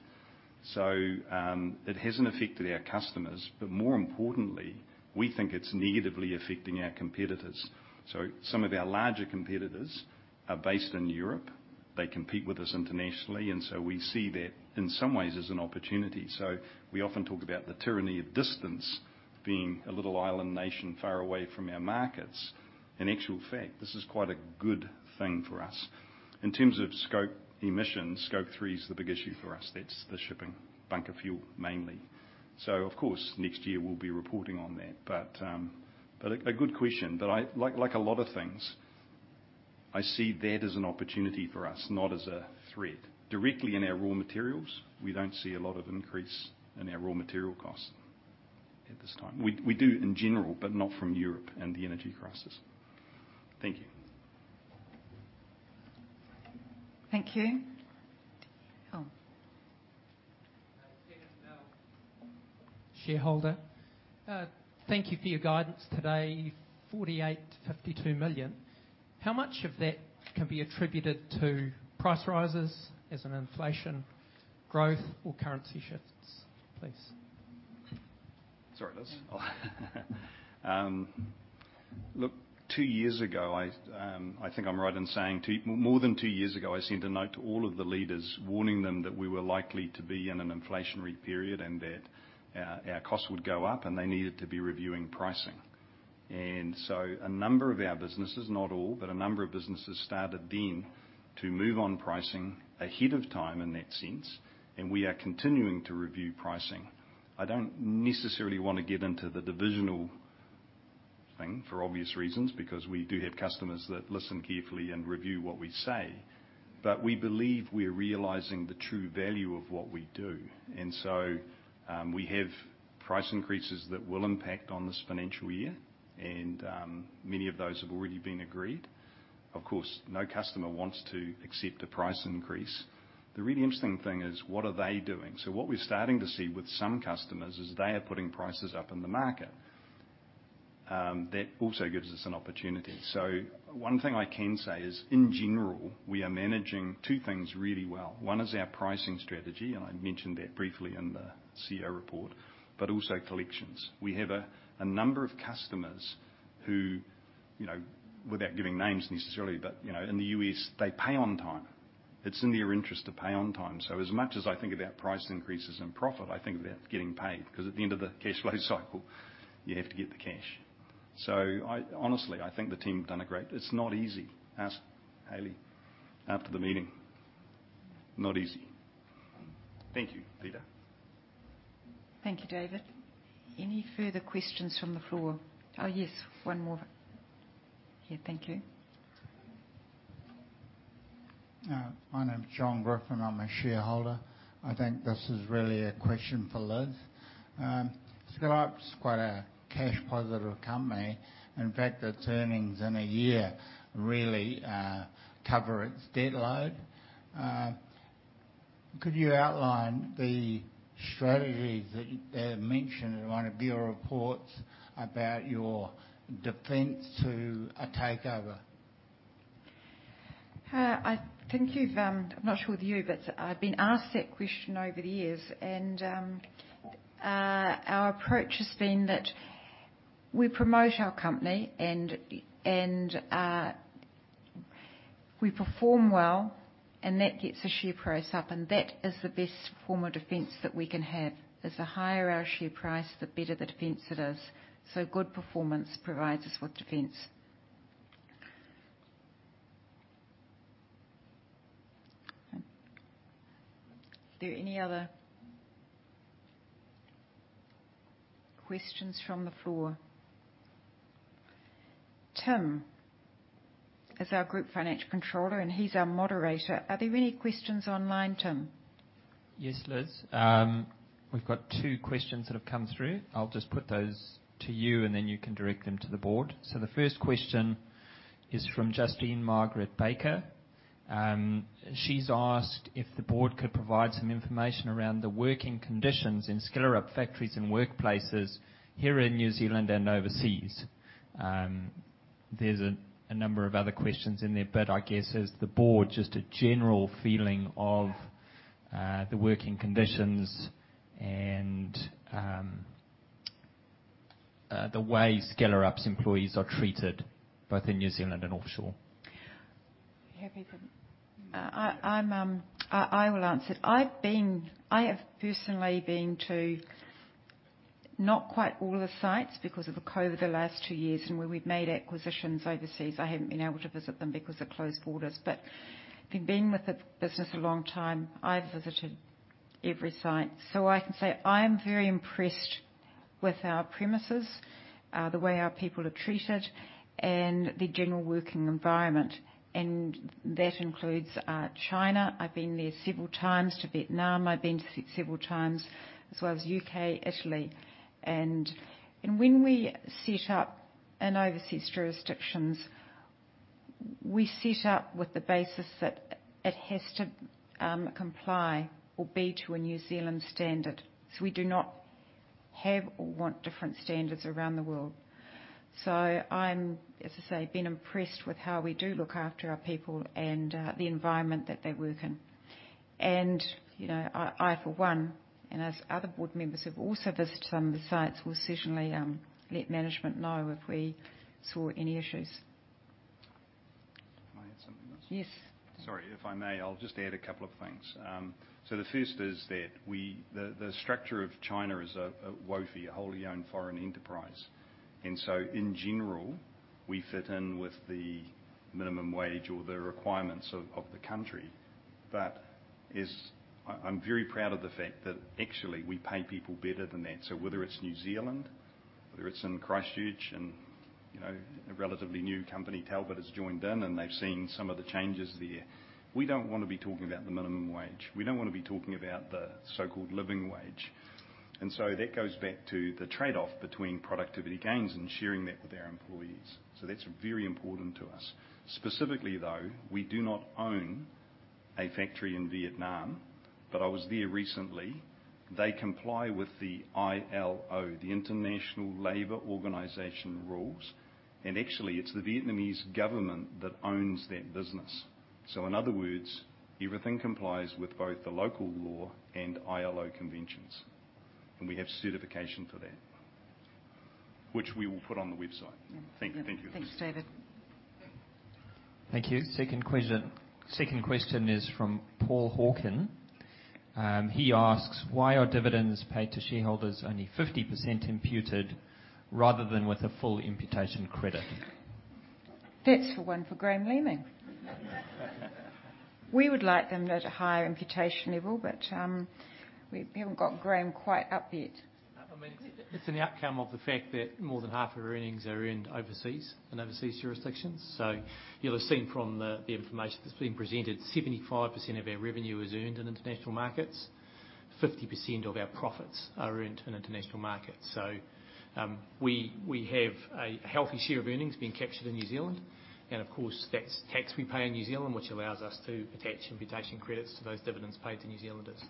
It hasn't affected our customers. More importantly, we think it's negatively affecting our competitors. Some of our larger competitors are based in Europe. They compete with us internationally, and we see that in some ways as an opportunity. We often talk about the tyranny of distance, being a little island nation far away from our markets. In actual fact, this is quite a good thing for us. In terms of Scope emissions, Scope 3 is the big issue for us. That's the shipping, bunker fuel mainly. Of course, next year we'll be reporting on that. A good question. Like a lot of things, I see that as an opportunity for us, not as a threat. Directly in our raw materials, we don't see a lot of increase in our raw material costs at this time. We do in general, but not from Europe and the energy crisis. Thank you. Thank you. Oh. Shareholder, thank you for your guidance today, 48 million-52 million. How much of that can be attributed to price rises as in inflation, growth or currency shifts, please? Sorry, Liz. Look, more than two years ago, I think I'm right in saying I sent a note to all of the leaders warning them that we were likely to be in an inflationary period and that our costs would go up, and they needed to be reviewing pricing. A number of our businesses, not all, but a number of businesses started then to move on pricing ahead of time in that sense, and we are continuing to review pricing. I don't necessarily wanna get into the divisional thing for obvious reasons, because we do have customers that listen carefully and review what we say. We believe we're realizing the true value of what we do. We have price increases that will impact on this financial year, and many of those have already been agreed. Of course, no customer wants to accept a price increase. The really interesting thing is. What are they doing? What we're starting to see with some customers is they are putting prices up in the market. That also gives us an opportunity. One thing I can say is, in general, we are managing two things really well. One is our pricing strategy, and I mentioned that briefly in the CEO report, but also collections. We have a number of customers who, you know, without giving names necessarily, but, you know, in the U.S., they pay on time. It's in their interest to pay on time. As much as I think about price increases and profit, I think about getting paid, 'cause at the end of the cash flow cycle, you have to get the cash. I Honestly, I think the team have done a great. It's not easy. Ask Hayley after the meeting. Not easy. Thank you, Peter. Thank you, David. Any further questions from the floor? Oh, yes. One more. Yeah. Thank you. My name's John Griffin. I'm a shareholder. I think this is really a question for Liz. Skellerup's quite a cash positive company. In fact, its earnings in a year really cover its debt load. Could you outline the strategies that are mentioned in one of your reports about your defense to a takeover? I'm not sure with you, but I've been asked that question over the years, and our approach has been that we promote our company and we perform well, and that gets the share price up, and that is the best form of defense that we can have. The higher our share price, the better the defense it is. Good performance provides us with defense. Are there any other questions from the floor? Tim is our Group Financial Controller, and he's our moderator. Are there any questions online, Tim? Yes, Liz. We've got two questions that have come through. I'll just put those to you, and then you can direct them to the board. The first question is from Justine Margaret Baker. She's asked if the board could provide some information around the working conditions in Skellerup factories and workplaces here in New Zealand and overseas. There's a number of other questions in there, but I guess as the board, just a general feeling of the working conditions and the way Skellerup's employees are treated both in New Zealand and offshore. Happy to. I will answer it. I have personally been to not quite all of the sites because of the COVID the last two years, and where we've made acquisitions overseas, I haven't been able to visit them because of closed borders. Being with the business a long time, I've visited every site. I can say I am very impressed with our premises, the way our people are treated, and the general working environment. That includes China. I've been there several times. To Vietnam, I've been several times, as well as U.K., Italy. When we set up in overseas jurisdictions, we set up with the basis that it has to comply or be to a New Zealand standard. We do not have or want different standards around the world. I'm, as I say, been impressed with how we do look after our people and the environment that they work in. You know, I for one, and as other board members have also visited some of the sites, will certainly let management know if we saw any issues. Can I add something else? Yes. Sorry, if I may, I'll just add a couple of things. The first is that the structure of China is a WFOE, wholly foreign-owned enterprise. In general, we fit in with the minimum wage or the requirements of the country. I'm very proud of the fact that actually we pay people better than that. Whether it's New Zealand, whether it's in Christchurch and, you know, a relatively new company, Talbot, has joined in, and they've seen some of the changes there. We don't wanna be talking about the minimum wage. We don't wanna be talking about the so-called living wage. That goes back to the trade-off between productivity gains and sharing that with our employees. That's very important to us. Specifically, though, we do not own a factory in Vietnam, but I was there recently. They comply with the ILO, the International Labor Organization rules, and actually it's the Vietnamese government that owns that business. So in other words, everything complies with both the local law and ILO conventions, and we have certification for that. Which we will put on the website. Yeah. Thank you. Thanks, David. Thank you. Second question is from Paul Hawken. He asks, "Why are dividends paid to shareholders only 50% imputed rather than with a full imputation credit? That's one for Graham Leaming. We would like them at a higher imputation level, but we haven't got Graham quite up yet. I mean, it's an outcome of the fact that more than half of our earnings are earned overseas, in overseas jurisdictions. You'll have seen from the information that's been presented, 75% of our revenue is earned in international markets. 50% of our profits are earned in international markets. We have a healthy share of earnings being captured in New Zealand. Of course, that's tax we pay in New Zealand, which allows us to attach imputation credits to those dividends paid to New Zealanders.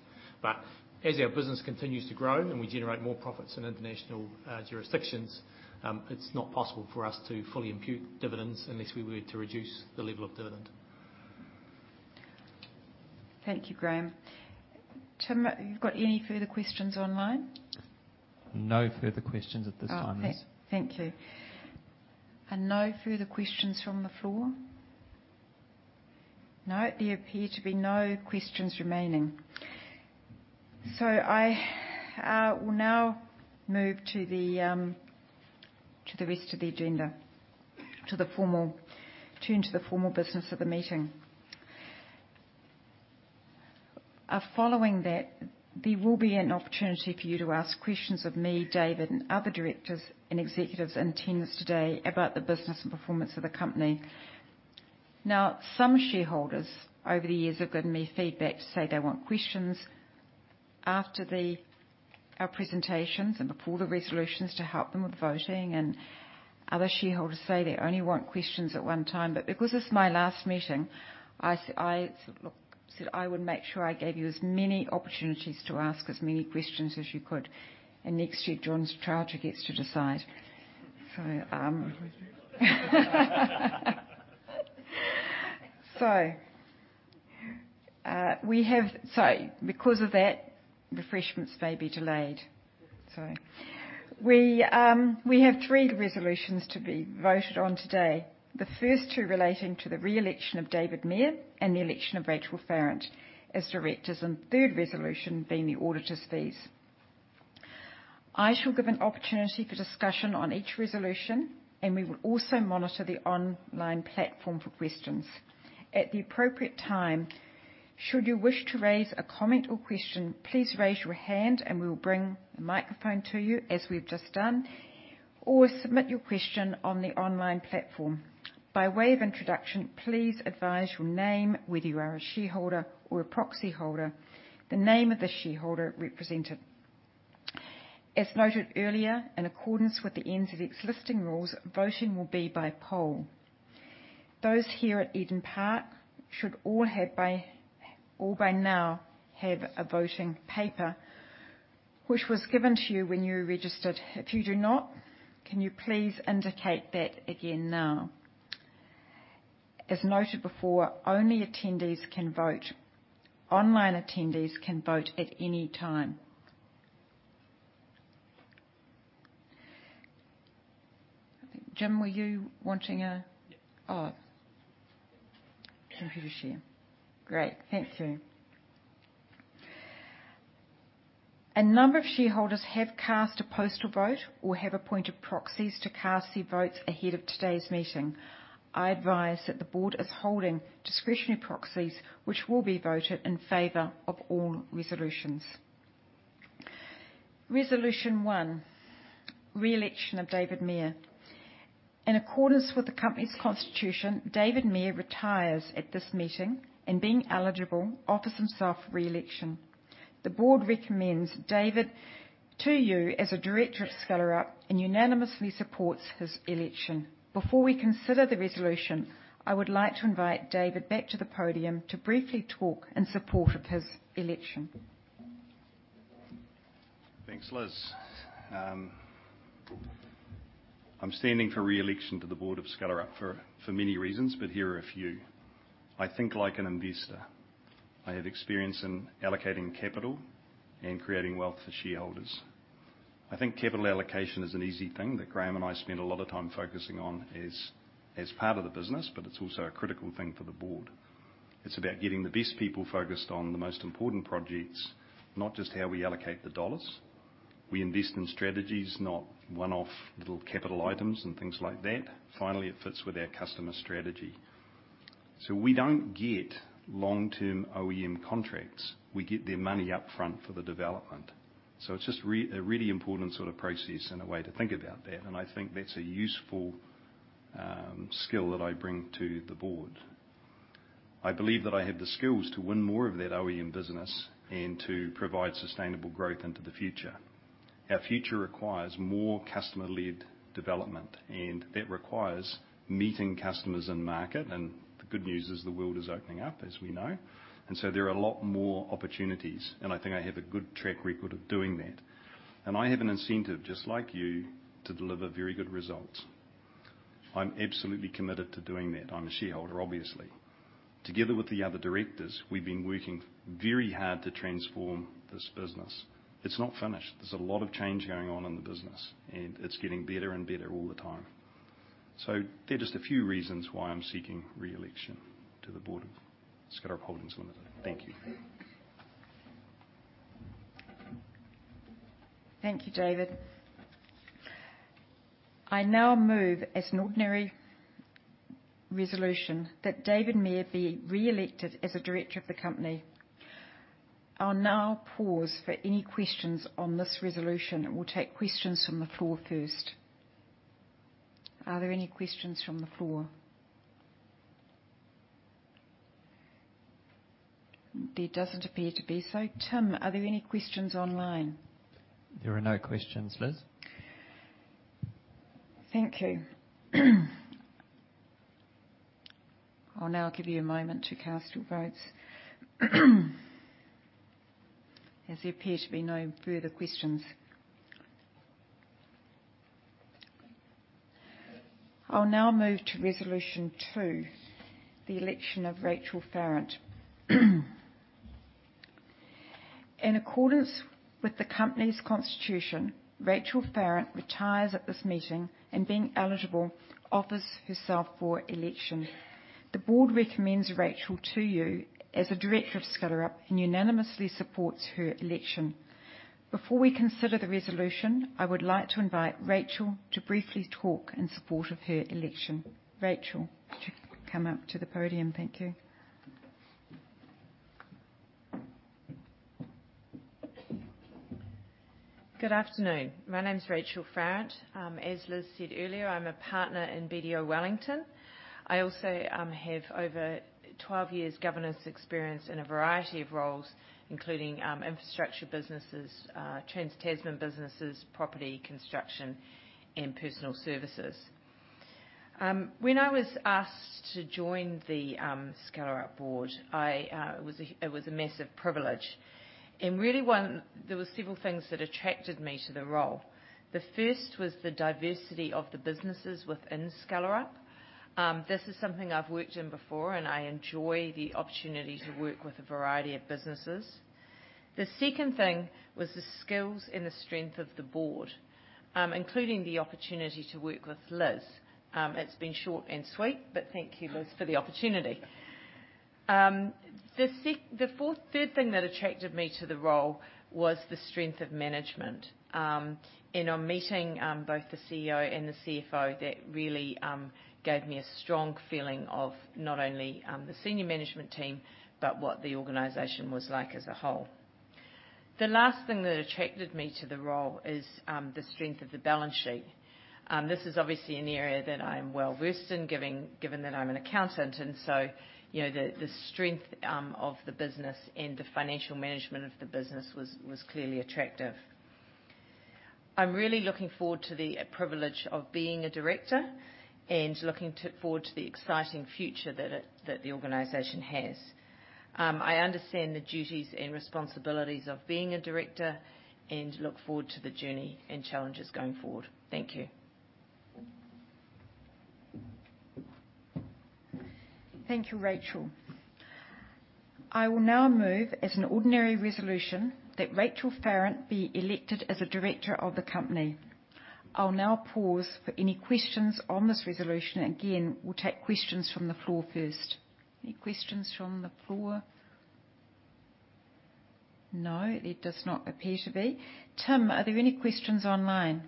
As our business continues to grow and we generate more profits in international jurisdictions, it's not possible for us to fully impute dividends unless we were to reduce the level of dividend. Thank you, Graham. Tim, you've got any further questions online? No further questions at this time. Thank you. No further questions from the floor? No, there appear to be no questions remaining. I will now move to the rest of the agenda, turn to the formal business of the meeting. Following that, there will be an opportunity for you to ask questions of me, David, and other directors and executives and teams today about the business and performance of the company. Now, some shareholders over the years have given me feedback to say they want questions after our presentations and before the resolutions to help them with voting and other shareholders say they only want questions at one time. Because this is my last meeting, I said, "Look, I would make sure I gave you as many opportunities to ask as many questions as you could." Next year, John Strowger gets to decide. Because of that, refreshments may be delayed. We have three resolutions to be voted on today. The first two relating to the re-election of David Mair and the election of Rachel Farrant as directors, and the third resolution being the auditors' fees. I shall give an opportunity for discussion on each resolution, and we will also monitor the online platform for questions. At the appropriate time, should you wish to raise a comment or question, please raise your hand and we will bring the microphone to you as we've just done, or submit your question on the online platform. By way of introduction, please advise your name, whether you are a shareholder or a proxyholder, the name of the shareholder represented. As noted earlier, in accordance with the NZX listing rules, voting will be by poll. Those here at Eden Park should all have by now a voting paper, which was given to you when you registered. If you do not, can you please indicate that again now? As noted before, only attendees can vote. Online attendees can vote at any time. Jim, were you wanting a? Yeah. Computershare. Great. Thank you. A number of shareholders have cast a postal vote or have appointed proxies to cast their votes ahead of today's meeting. I advise that the board is holding discretionary proxies, which will be voted in favor of all resolutions. Resolution one, re-election of David Mair. In accordance with the company's constitution, David Mair retires at this meeting, and being eligible, offers himself re-election. The board recommends David to you as a Director of Skellerup and unanimously supports his election. Before we consider the resolution, I would like to invite David back to the podium to briefly talk in support of his election. Thanks, Liz. I'm standing for re-election to the Board of Skellerup for many reasons, but here are a few. I think like an investor. I have experience in allocating capital and creating wealth for shareholders. I think capital allocation is an easy thing that Graham and I spend a lot of time focusing on as part of the business, but it's also a critical thing for the board. It's about getting the best people focused on the most important projects, not just how we allocate the dollars. We invest in strategies, not one-off little capital items and things like that. Finally, it fits with our customer strategy. We don't get long-term OEM contracts. We get their money up front for the development. It's just a really important sort of process and a way to think about that, and I think that's a useful skill that I bring to the board. I believe that I have the skills to win more of that OEM business and to provide sustainable growth into the future. Our future requires more customer-led development, and that requires meeting customers in market. The good news is the world is opening up, as we know. There are a lot more opportunities, and I think I have a good track record of doing that. I have an incentive, just like you, to deliver very good results. I'm absolutely committed to doing that. I'm a shareholder, obviously. Together with the other directors, we've been working very hard to transform this business. It's not finished. There's a lot of change going on in the business, and it's getting better and better all the time. They're just a few reasons why I'm seeking re-election to the Board of Skellerup Holdings Limited. Thank you. Thank you, David. I now move as an ordinary resolution that David Mair be re-elected as a director of the company. I'll now pause for any questions on this resolution, and we'll take questions from the floor first. Are there any questions from the floor? There doesn't appear to be so. Tim, are there any questions online? There are no questions, Liz. Thank you. I'll now give you a moment to cast your votes. As there appear to be no further questions, I'll now move to resolution two, the election of Rachel Farrant. In accordance with the company's constitution, Rachel Farrant retires at this meeting, and being eligible, offers herself for election. The board recommends Rachel to you as a Director of Skellerup and unanimously supports her election. Before we consider the resolution, I would like to invite Rachel to briefly talk in support of her election. Rachel, would you come up to the podium. Thank you. Good afternoon. My name is Rachel Farrant. As Liz said earlier, I'm a partner in BDO Wellington. I also have over 12 years governance experience in a variety of roles, including infrastructure businesses, trans-Tasman businesses, property, construction, and personal services. When I was asked to join the Skellerup board, it was a massive privilege. Really, there were several things that attracted me to the role. The first was the diversity of the businesses within Skellerup. This is something I've worked in before, and I enjoy the opportunity to work with a variety of businesses. The second thing was the skills and the strength of the board, including the opportunity to work with Liz. It's been short and sweet, but thank you, Liz, for the opportunity. The third thing that attracted me to the role was the strength of management. In meeting both the CEO and the CFO, that really gave me a strong feeling of not only the senior management team, but what the organization was like as a whole. The last thing that attracted me to the role is the strength of the balance sheet. This is obviously an area that I am well-versed in, given that I'm an accountant. You know, the strength of the business and the financial management of the business was clearly attractive. I'm really looking forward to the privilege of being a director and looking forward to the exciting future that the organization has. I understand the duties and responsibilities of being a director and look forward to the journey and challenges going forward. Thank you. Thank you, Rachel. I will now move as an ordinary resolution that Rachel Farrant be elected as a director of the company. I'll now pause for any questions on this resolution. Again, we'll take questions from the floor first. Any questions from the floor? No, there does not appear to be. Tim, are there any questions online?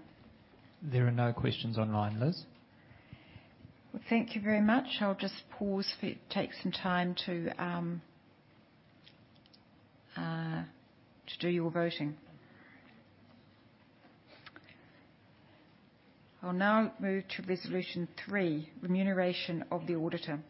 There are no questions online, Liz. Well, thank you very much. I'll just pause for you, take some time to do your voting. I'll now move to resolution three, remuneration of the auditor.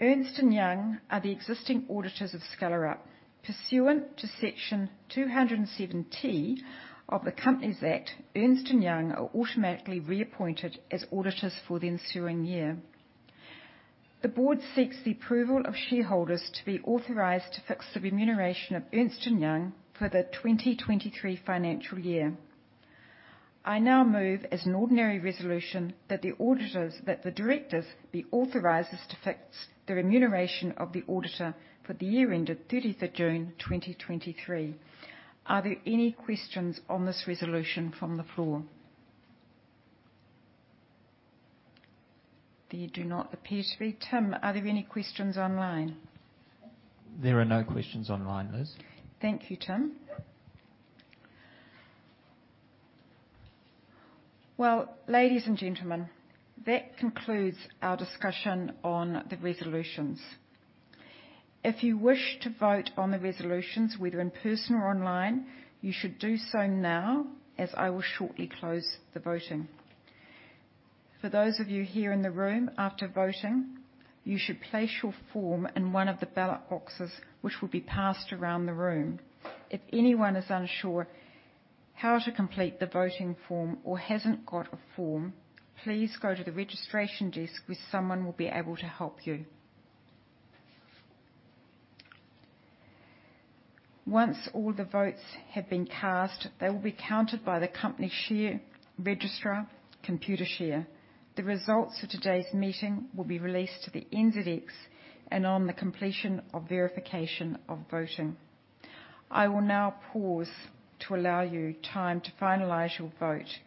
Ernst & Young are the existing auditors of Skellerup. Pursuant to Section 270 of the Companies Act, Ernst & Young are automatically reappointed as auditors for the ensuing year. The board seeks the approval of shareholders to be authorized to fix the remuneration of Ernst & Young for the 2023 financial year. I now move as an ordinary resolution that the directors be authorized to fix the remuneration of the auditor for the year ended 30th June 2023. Are there any questions on this resolution from the floor? There do not appear to be. Tim, are there any questions online? There are no questions online, Liz. Thank you, Tim. Well, ladies and gentlemen, that concludes our discussion on the resolutions. If you wish to vote on the resolutions, whether in person or online, you should do so now, as I will shortly close the voting. For those of you here in the room, after voting, you should place your form in one of the ballot boxes, which will be passed around the room. If anyone is unsure how to complete the voting form or hasn't got a form, please go to the registration desk, where someone will be able to help you. Once all the votes have been cast, they will be counted by the company share registrar, Computershare. The results of today's meeting will be released to the NZX upon completion of verification of voting. I will now pause to allow you time to finalize your vote.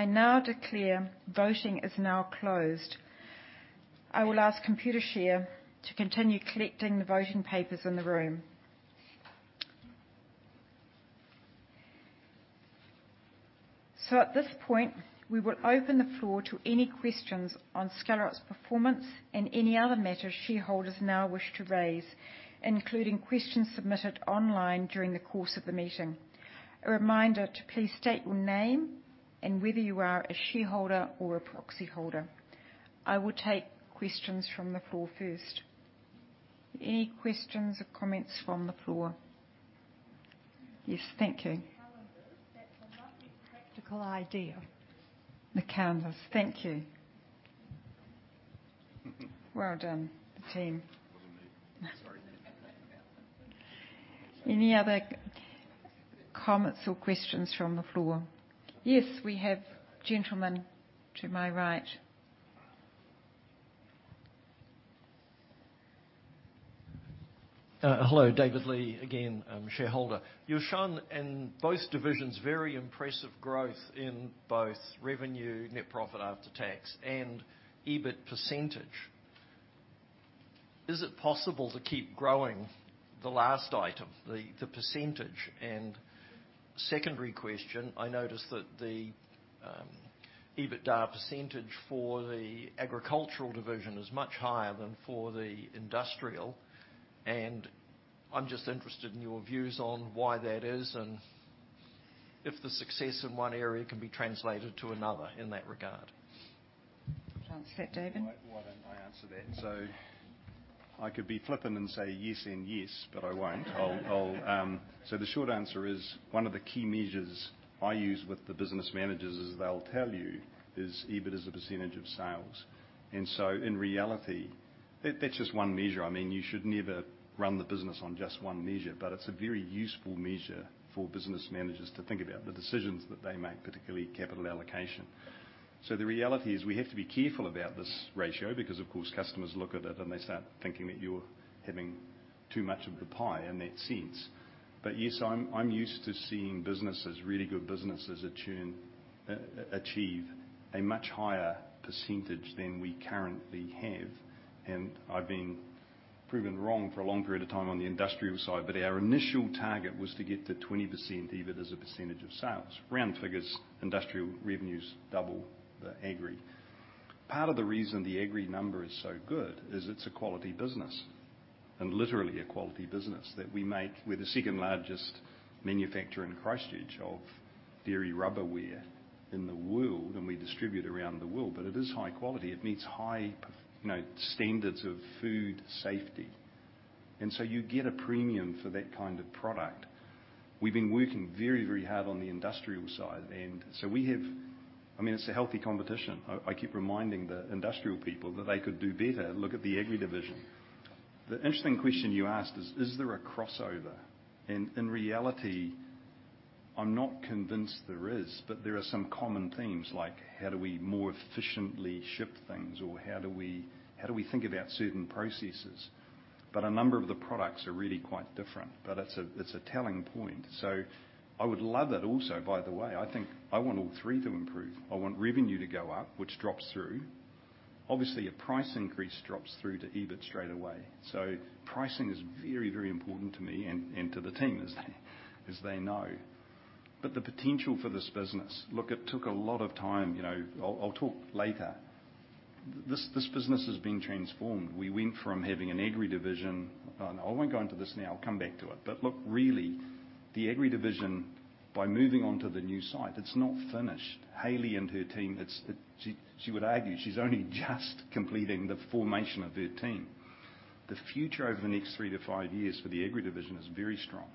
I now declare voting is now closed. I will ask Computershare to continue collecting the voting papers in the room. At this point, we will open the floor to any questions on Skellerup's performance and any other matter shareholders now wish to raise, including questions submitted online during the course of the meeting. A reminder to please state your name and whether you are a shareholder or a proxy holder. I will take questions from the floor first. Any questions or comments from the floor? Yes. Thank you. The calendar, that's a lovely practical idea. The calendar. Thank you. Well done, the team. It wasn't me. Sorry. Any other comments or questions from the floor? Yes, we have gentleman to my right. Hello, David Lee, again, shareholder. You've shown in both divisions very impressive growth in both revenue, net profit after tax and EBIT percentage. Is it possible to keep growing the last item, the percentage? Secondary question, I noticed that the EBITDA percentage for the agricultural division is much higher than for the industrial. I'm just interested in your views on why that is and if the success in one area can be translated to another in that regard. Do you want to take that, David? Why don't I answer that? I could be flippant and say yes, and yes, but I won't. The short answer is, one of the key measures I use with the business managers, as they'll tell you, is EBIT as a percentage of sales. In reality, that's just one measure. I mean, you should never run the business on just one measure, but it's a very useful measure for business managers to think about the decisions that they make, particularly capital allocation. The reality is we have to be careful about this ratio because of course, customers look at it and they start thinking that you're having too much of the pie in that sense. Yes, I'm used to seeing businesses, really good businesses achieve a much higher percentage than we currently have. I've been proven wrong for a long period of time on the industrial side, but our initial target was to get to 20% EBIT as a percentage of sales. Round figures, industrial revenue's double the Agri. Part of the reason the Agri number is so good is it's a quality business, and literally a quality business that we make. We're the second-largest manufacturer in Christchurch of dairy rubberware in the world, and we distribute around the world. But it is high quality. It meets high, you know, standards of food safety. You get a premium for that kind of product. We've been working very, very hard on the industrial side, and so we have. I mean, it's a healthy competition. I keep reminding the industrial people that they could do better. Look at the Agri division. The interesting question you asked is, is there a crossover? In reality, I'm not convinced there is, but there are some common themes like how do we more efficiently ship things or how do we think about certain processes? A number of the products are really quite different. It's a telling point. I would love that also, by the way. I think I want all three to improve. I want revenue to go up, which drops through. Obviously, a price increase drops through to EBIT straight away. Pricing is very, very important to me and to the team as they know. The potential for this business. Look, it took a lot of time. You know, I'll talk later. This business has been transformed. We went from having an Agri division. I won't go into this now. I'll come back to it. Look, really, the Agri division, by moving on to the new site, it's not finished. Hayley and her team, she would argue she's only just completing the formation of her team. The future over the next three-five years for the Agri division is very strong,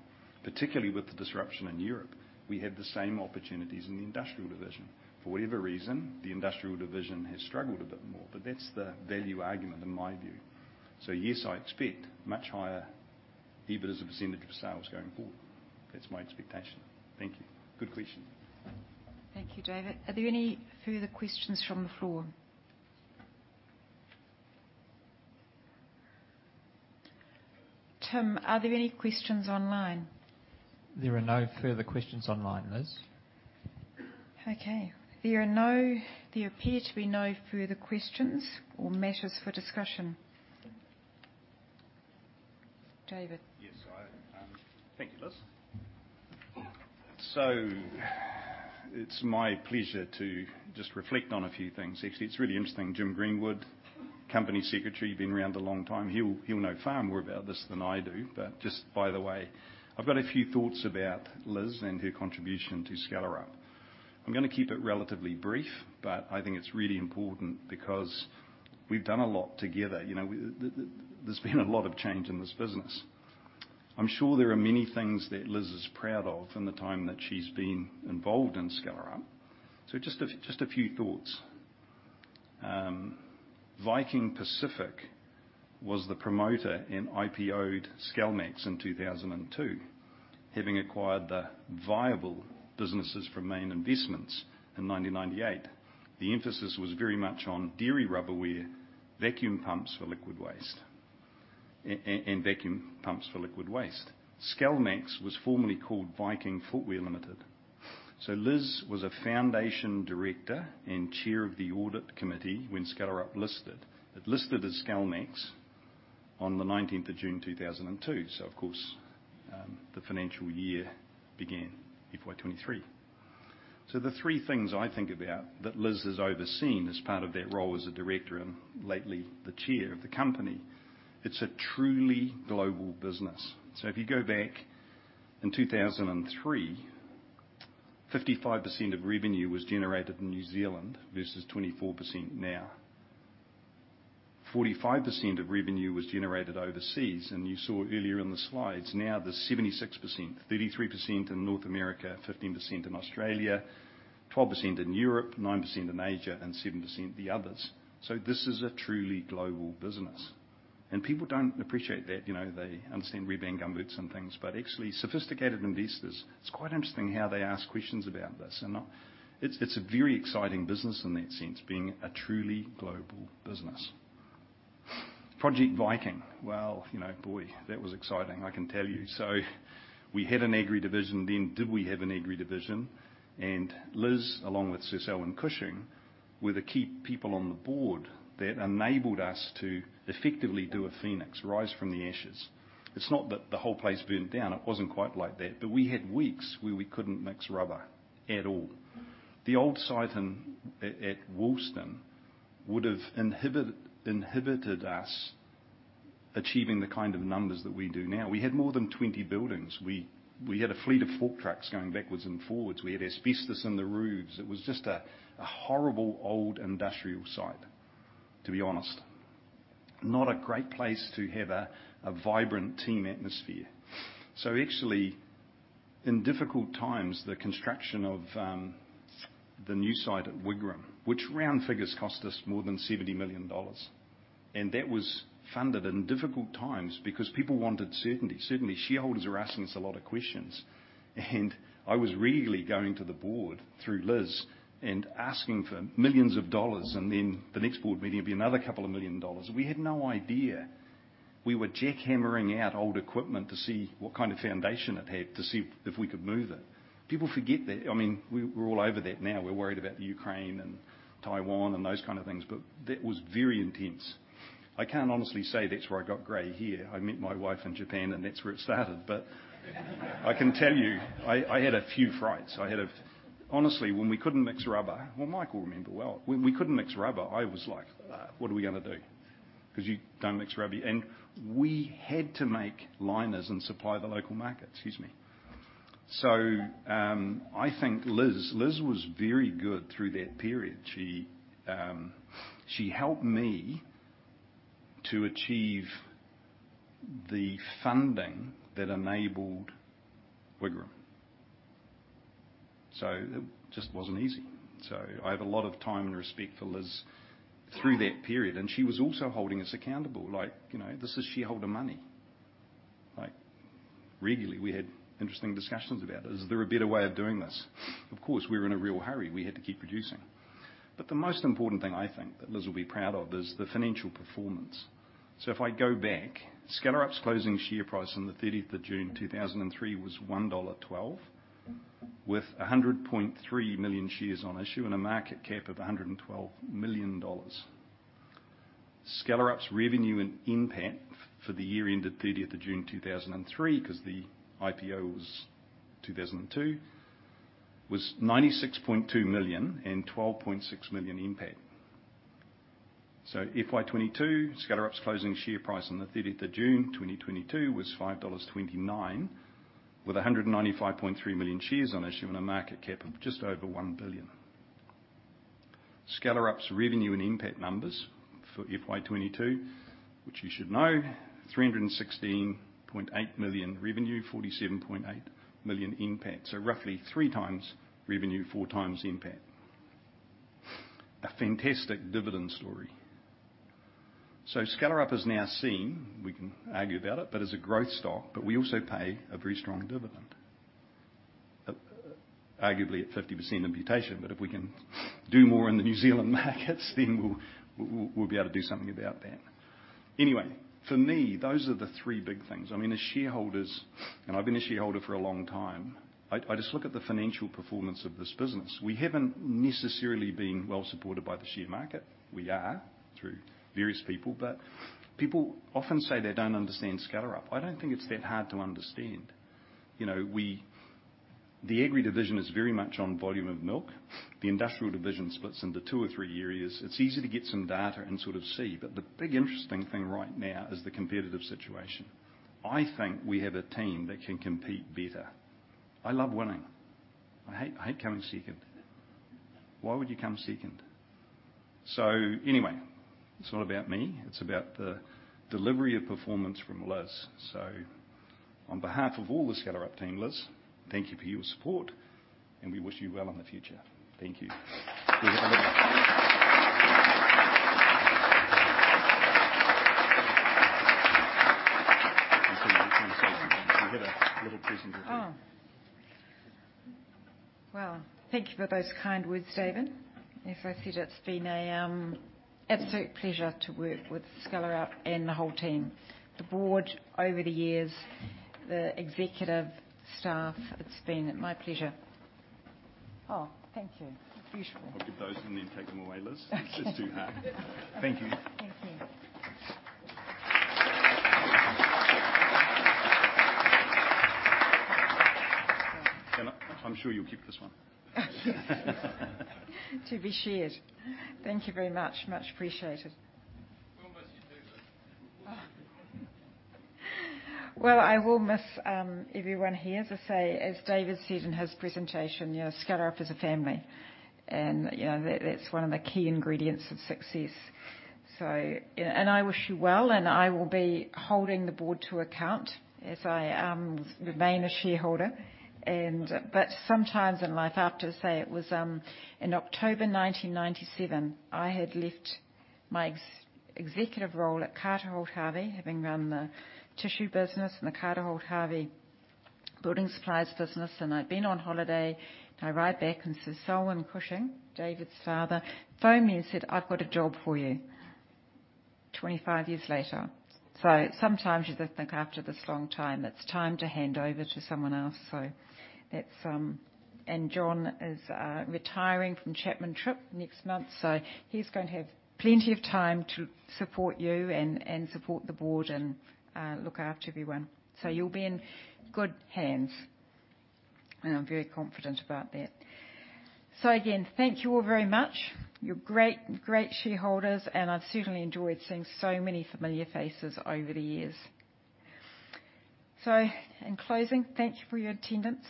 particularly with the disruption in Europe. We have the same opportunities in the industrial division. For whatever reason, the industrial division has struggled a bit more, but that's the value argument in my view. Yes, I expect much higher EBIT as a percentage of sales going forward. That's my expectation. Thank you. Good question. Thank you, David. Are there any further questions from the floor? Tim, are there any questions online? There are no further questions online, Liz. Okay. There appear to be no further questions or matters for discussion. David. Yes. Thank you, Liz. It's my pleasure to just reflect on a few things. Actually, it's really interesting. Jim Greenwood, Company Secretary, been around a long time. He'll know far more about this than I do. Just by the way, I've got a few thoughts about Liz and her contribution to Skellerup. I'm gonna keep it relatively brief, but I think it's really important because we've done a lot together. You know, there's been a lot of change in this business. I'm sure there are many things that Liz is proud of in the time that she's been involved in Skellerup. Just a few thoughts. Viking Pacific was the promoter and IPO'd Skellmax in 2002, having acquired the viable businesses from Main Investments in 1998. The emphasis was very much on dairy rubberware and vacuum pumps for liquid waste. Skellmax was formerly called Viking Footwear Limited. Liz was a founding director and chair of the audit committee when Skellerup listed. It listed as Skellmax on the 19th of June 2002. The financial year began FY 2023. The three things I think about that Liz has overseen as part of that role as a director and lately the chair of the company, it's a truly global business. If you go back in 2003, 55% of revenue was generated in New Zealand versus 24% now. 45% of revenue was generated overseas, and you saw earlier in the slides, now there's 76%, 33% in North America, 15% in Australia, 12% in Europe, 9% in Asia, and 7% the others. This is a truly global business. People don't appreciate that. You know, they understand Red Band gumboots and things, but actually sophisticated investors, it's quite interesting how they ask questions about this and not. It's a very exciting business in that sense, being a truly global business. Project Viking, well, you know, boy, that was exciting, I can tell you. We had an Agri division then. Did we have an Agri division? Liz, along with Sir Selwyn Cushing, were the key people on the board that enabled us to effectively do a phoenix, rise from the ashes. It's not that the whole place burnt down. It wasn't quite like that. We had weeks where we couldn't mix rubber at all. The old site in Woolston would've inhibited us achieving the kind of numbers that we do now. We had more than 20 buildings. We had a fleet of fork trucks going backwards and forwards. We had asbestos in the roofs. It was just a horrible old industrial site, to be honest. Not a great place to have a vibrant team atmosphere. Actually, in difficult times, the construction of the new site at Wigram, which round figures cost us more than 70 million dollars, and that was funded in difficult times because people wanted certainty. Certainly, shareholders are asking us a lot of questions. I was regularly going to the board through Liz and asking for millions dollars, and then the next board meeting it'd be another couple of million dollars. We had no idea. We were jackhammering out old equipment to see what kind of foundation it had to see if we could move it. People forget that. I mean, we're all over that now. We're worried about Ukraine and Taiwan and those kind of things, but that was very intense. I can't honestly say that's where I got gray hair. I met my wife in Japan, and that's where it started. I can tell you, I had a few frights. Honestly, well, Michael will remember well. When we couldn't mix rubber, I was like, "what are we gonna do?" 'Cause you don't mix rubber. We had to make liners and supply the local market. Excuse me. I think Liz was very good through that period. She helped me to achieve the funding that enabled Wigram. It just wasn't easy. I have a lot of time and respect for Liz through that period. She was also holding us accountable, like, you know, this is shareholder money. Like, regularly, we had interesting discussions about, "Is there a better way of doing this?" Of course, we were in a real hurry. We had to keep producing. The most important thing I think that Liz will be proud of is the financial performance. If I go back, Skellerup's closing share price on the 13th of June 2003 was 1.12 dollar, with 100.3 million shares on issue and a market cap of 112 million dollars. Skellerup's revenue and NPAT for the year ended thirtieth of June 2003, 'cause the IPO was 2002, was 96.2 million and 12.6 million NPAT. FY22, Skellerup's closing share price on the thirtieth of June 2022 was 5.29 dollars, with 195.3 million shares on issue and a market cap of just over 1 billion. Skellerup's revenue and NPAT numbers for FY 2022, which you should know, 316.8 million revenue, 47.8 million NPAT. Roughly 3x revenue, 4x NPAT. A fantastic dividend story. Skellerup is now seen, we can argue about it, but as a growth stock, but we also pay a very strong dividend. Arguably at 50% imputation, but if we can do more in the New Zealand markets, then we'll be able to do something about that. Anyway, for me, those are the three big things. I mean, as shareholders, and I've been a shareholder for a long time, I just look at the financial performance of this business. We haven't necessarily been well-supported by the share market. We are, through various people, but people often say they don't understand Skellerup. I don't think it's that hard to understand. You know, we... The Agri division is very much on volume of milk. The industrial division splits into two or three areas. It's easy to get some data and sort of see. The big interesting thing right now is the competitive situation. I think we have a team that can compete better. I love winning. I hate coming second. Why would you come second? Anyway, it's not about me, it's about the delivery of performance from Liz. On behalf of all the Skellerup team, Liz, thank you for your support, and we wish you well in the future. Thank you. We have a little present for you. Oh. Well, thank you for those kind words, David. As I said, it's been an absolute pleasure to work with Skellerup and the whole team. The board over the years, the executive staff, it's been my pleasure. Oh, thank you. Beautiful. I'll give those and then take them away, Liz. It's just too hard. Thank you. Thank you. I'm sure you'll keep this one. Yes. To be shared. Thank you very much. Much appreciated. We'll miss you too, Liz. Well, I will miss everyone here. As I say, as David said in his presentation, you know, Skellerup is a family and, you know, that's one of the key ingredients of success. I wish you well, and I will be holding the board to account as I remain a shareholder and sometimes in life, I have to say it was in October 1997, I had left my executive role at Carter Holt Harvey, having run the tissue business and the Carter Holt Harvey building supplies business, and I'd been on holiday. I arrived back, and Sir Selwyn Cushing, David's father, phoned me and said, "I've got a job for you." 25 years later. Sometimes you just think after this long time, it's time to hand over to someone else. It's. John is retiring from Chapman Tripp next month, so he's going to have plenty of time to support you and support the board and look after everyone. You'll be in good hands, and I'm very confident about that. Again, thank you all very much. You're great shareholders, and I've certainly enjoyed seeing so many familiar faces over the years. In closing, thank you for your attendance.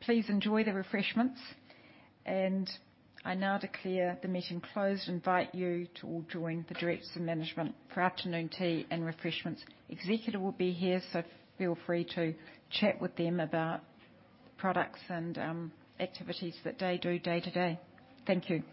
Please enjoy the refreshments. I now declare the meeting closed. Invite you to all join the directors and management for afternoon tea and refreshments. Executive will be here, so feel free to chat with them about products and activities that they do day-to-day. Thank you.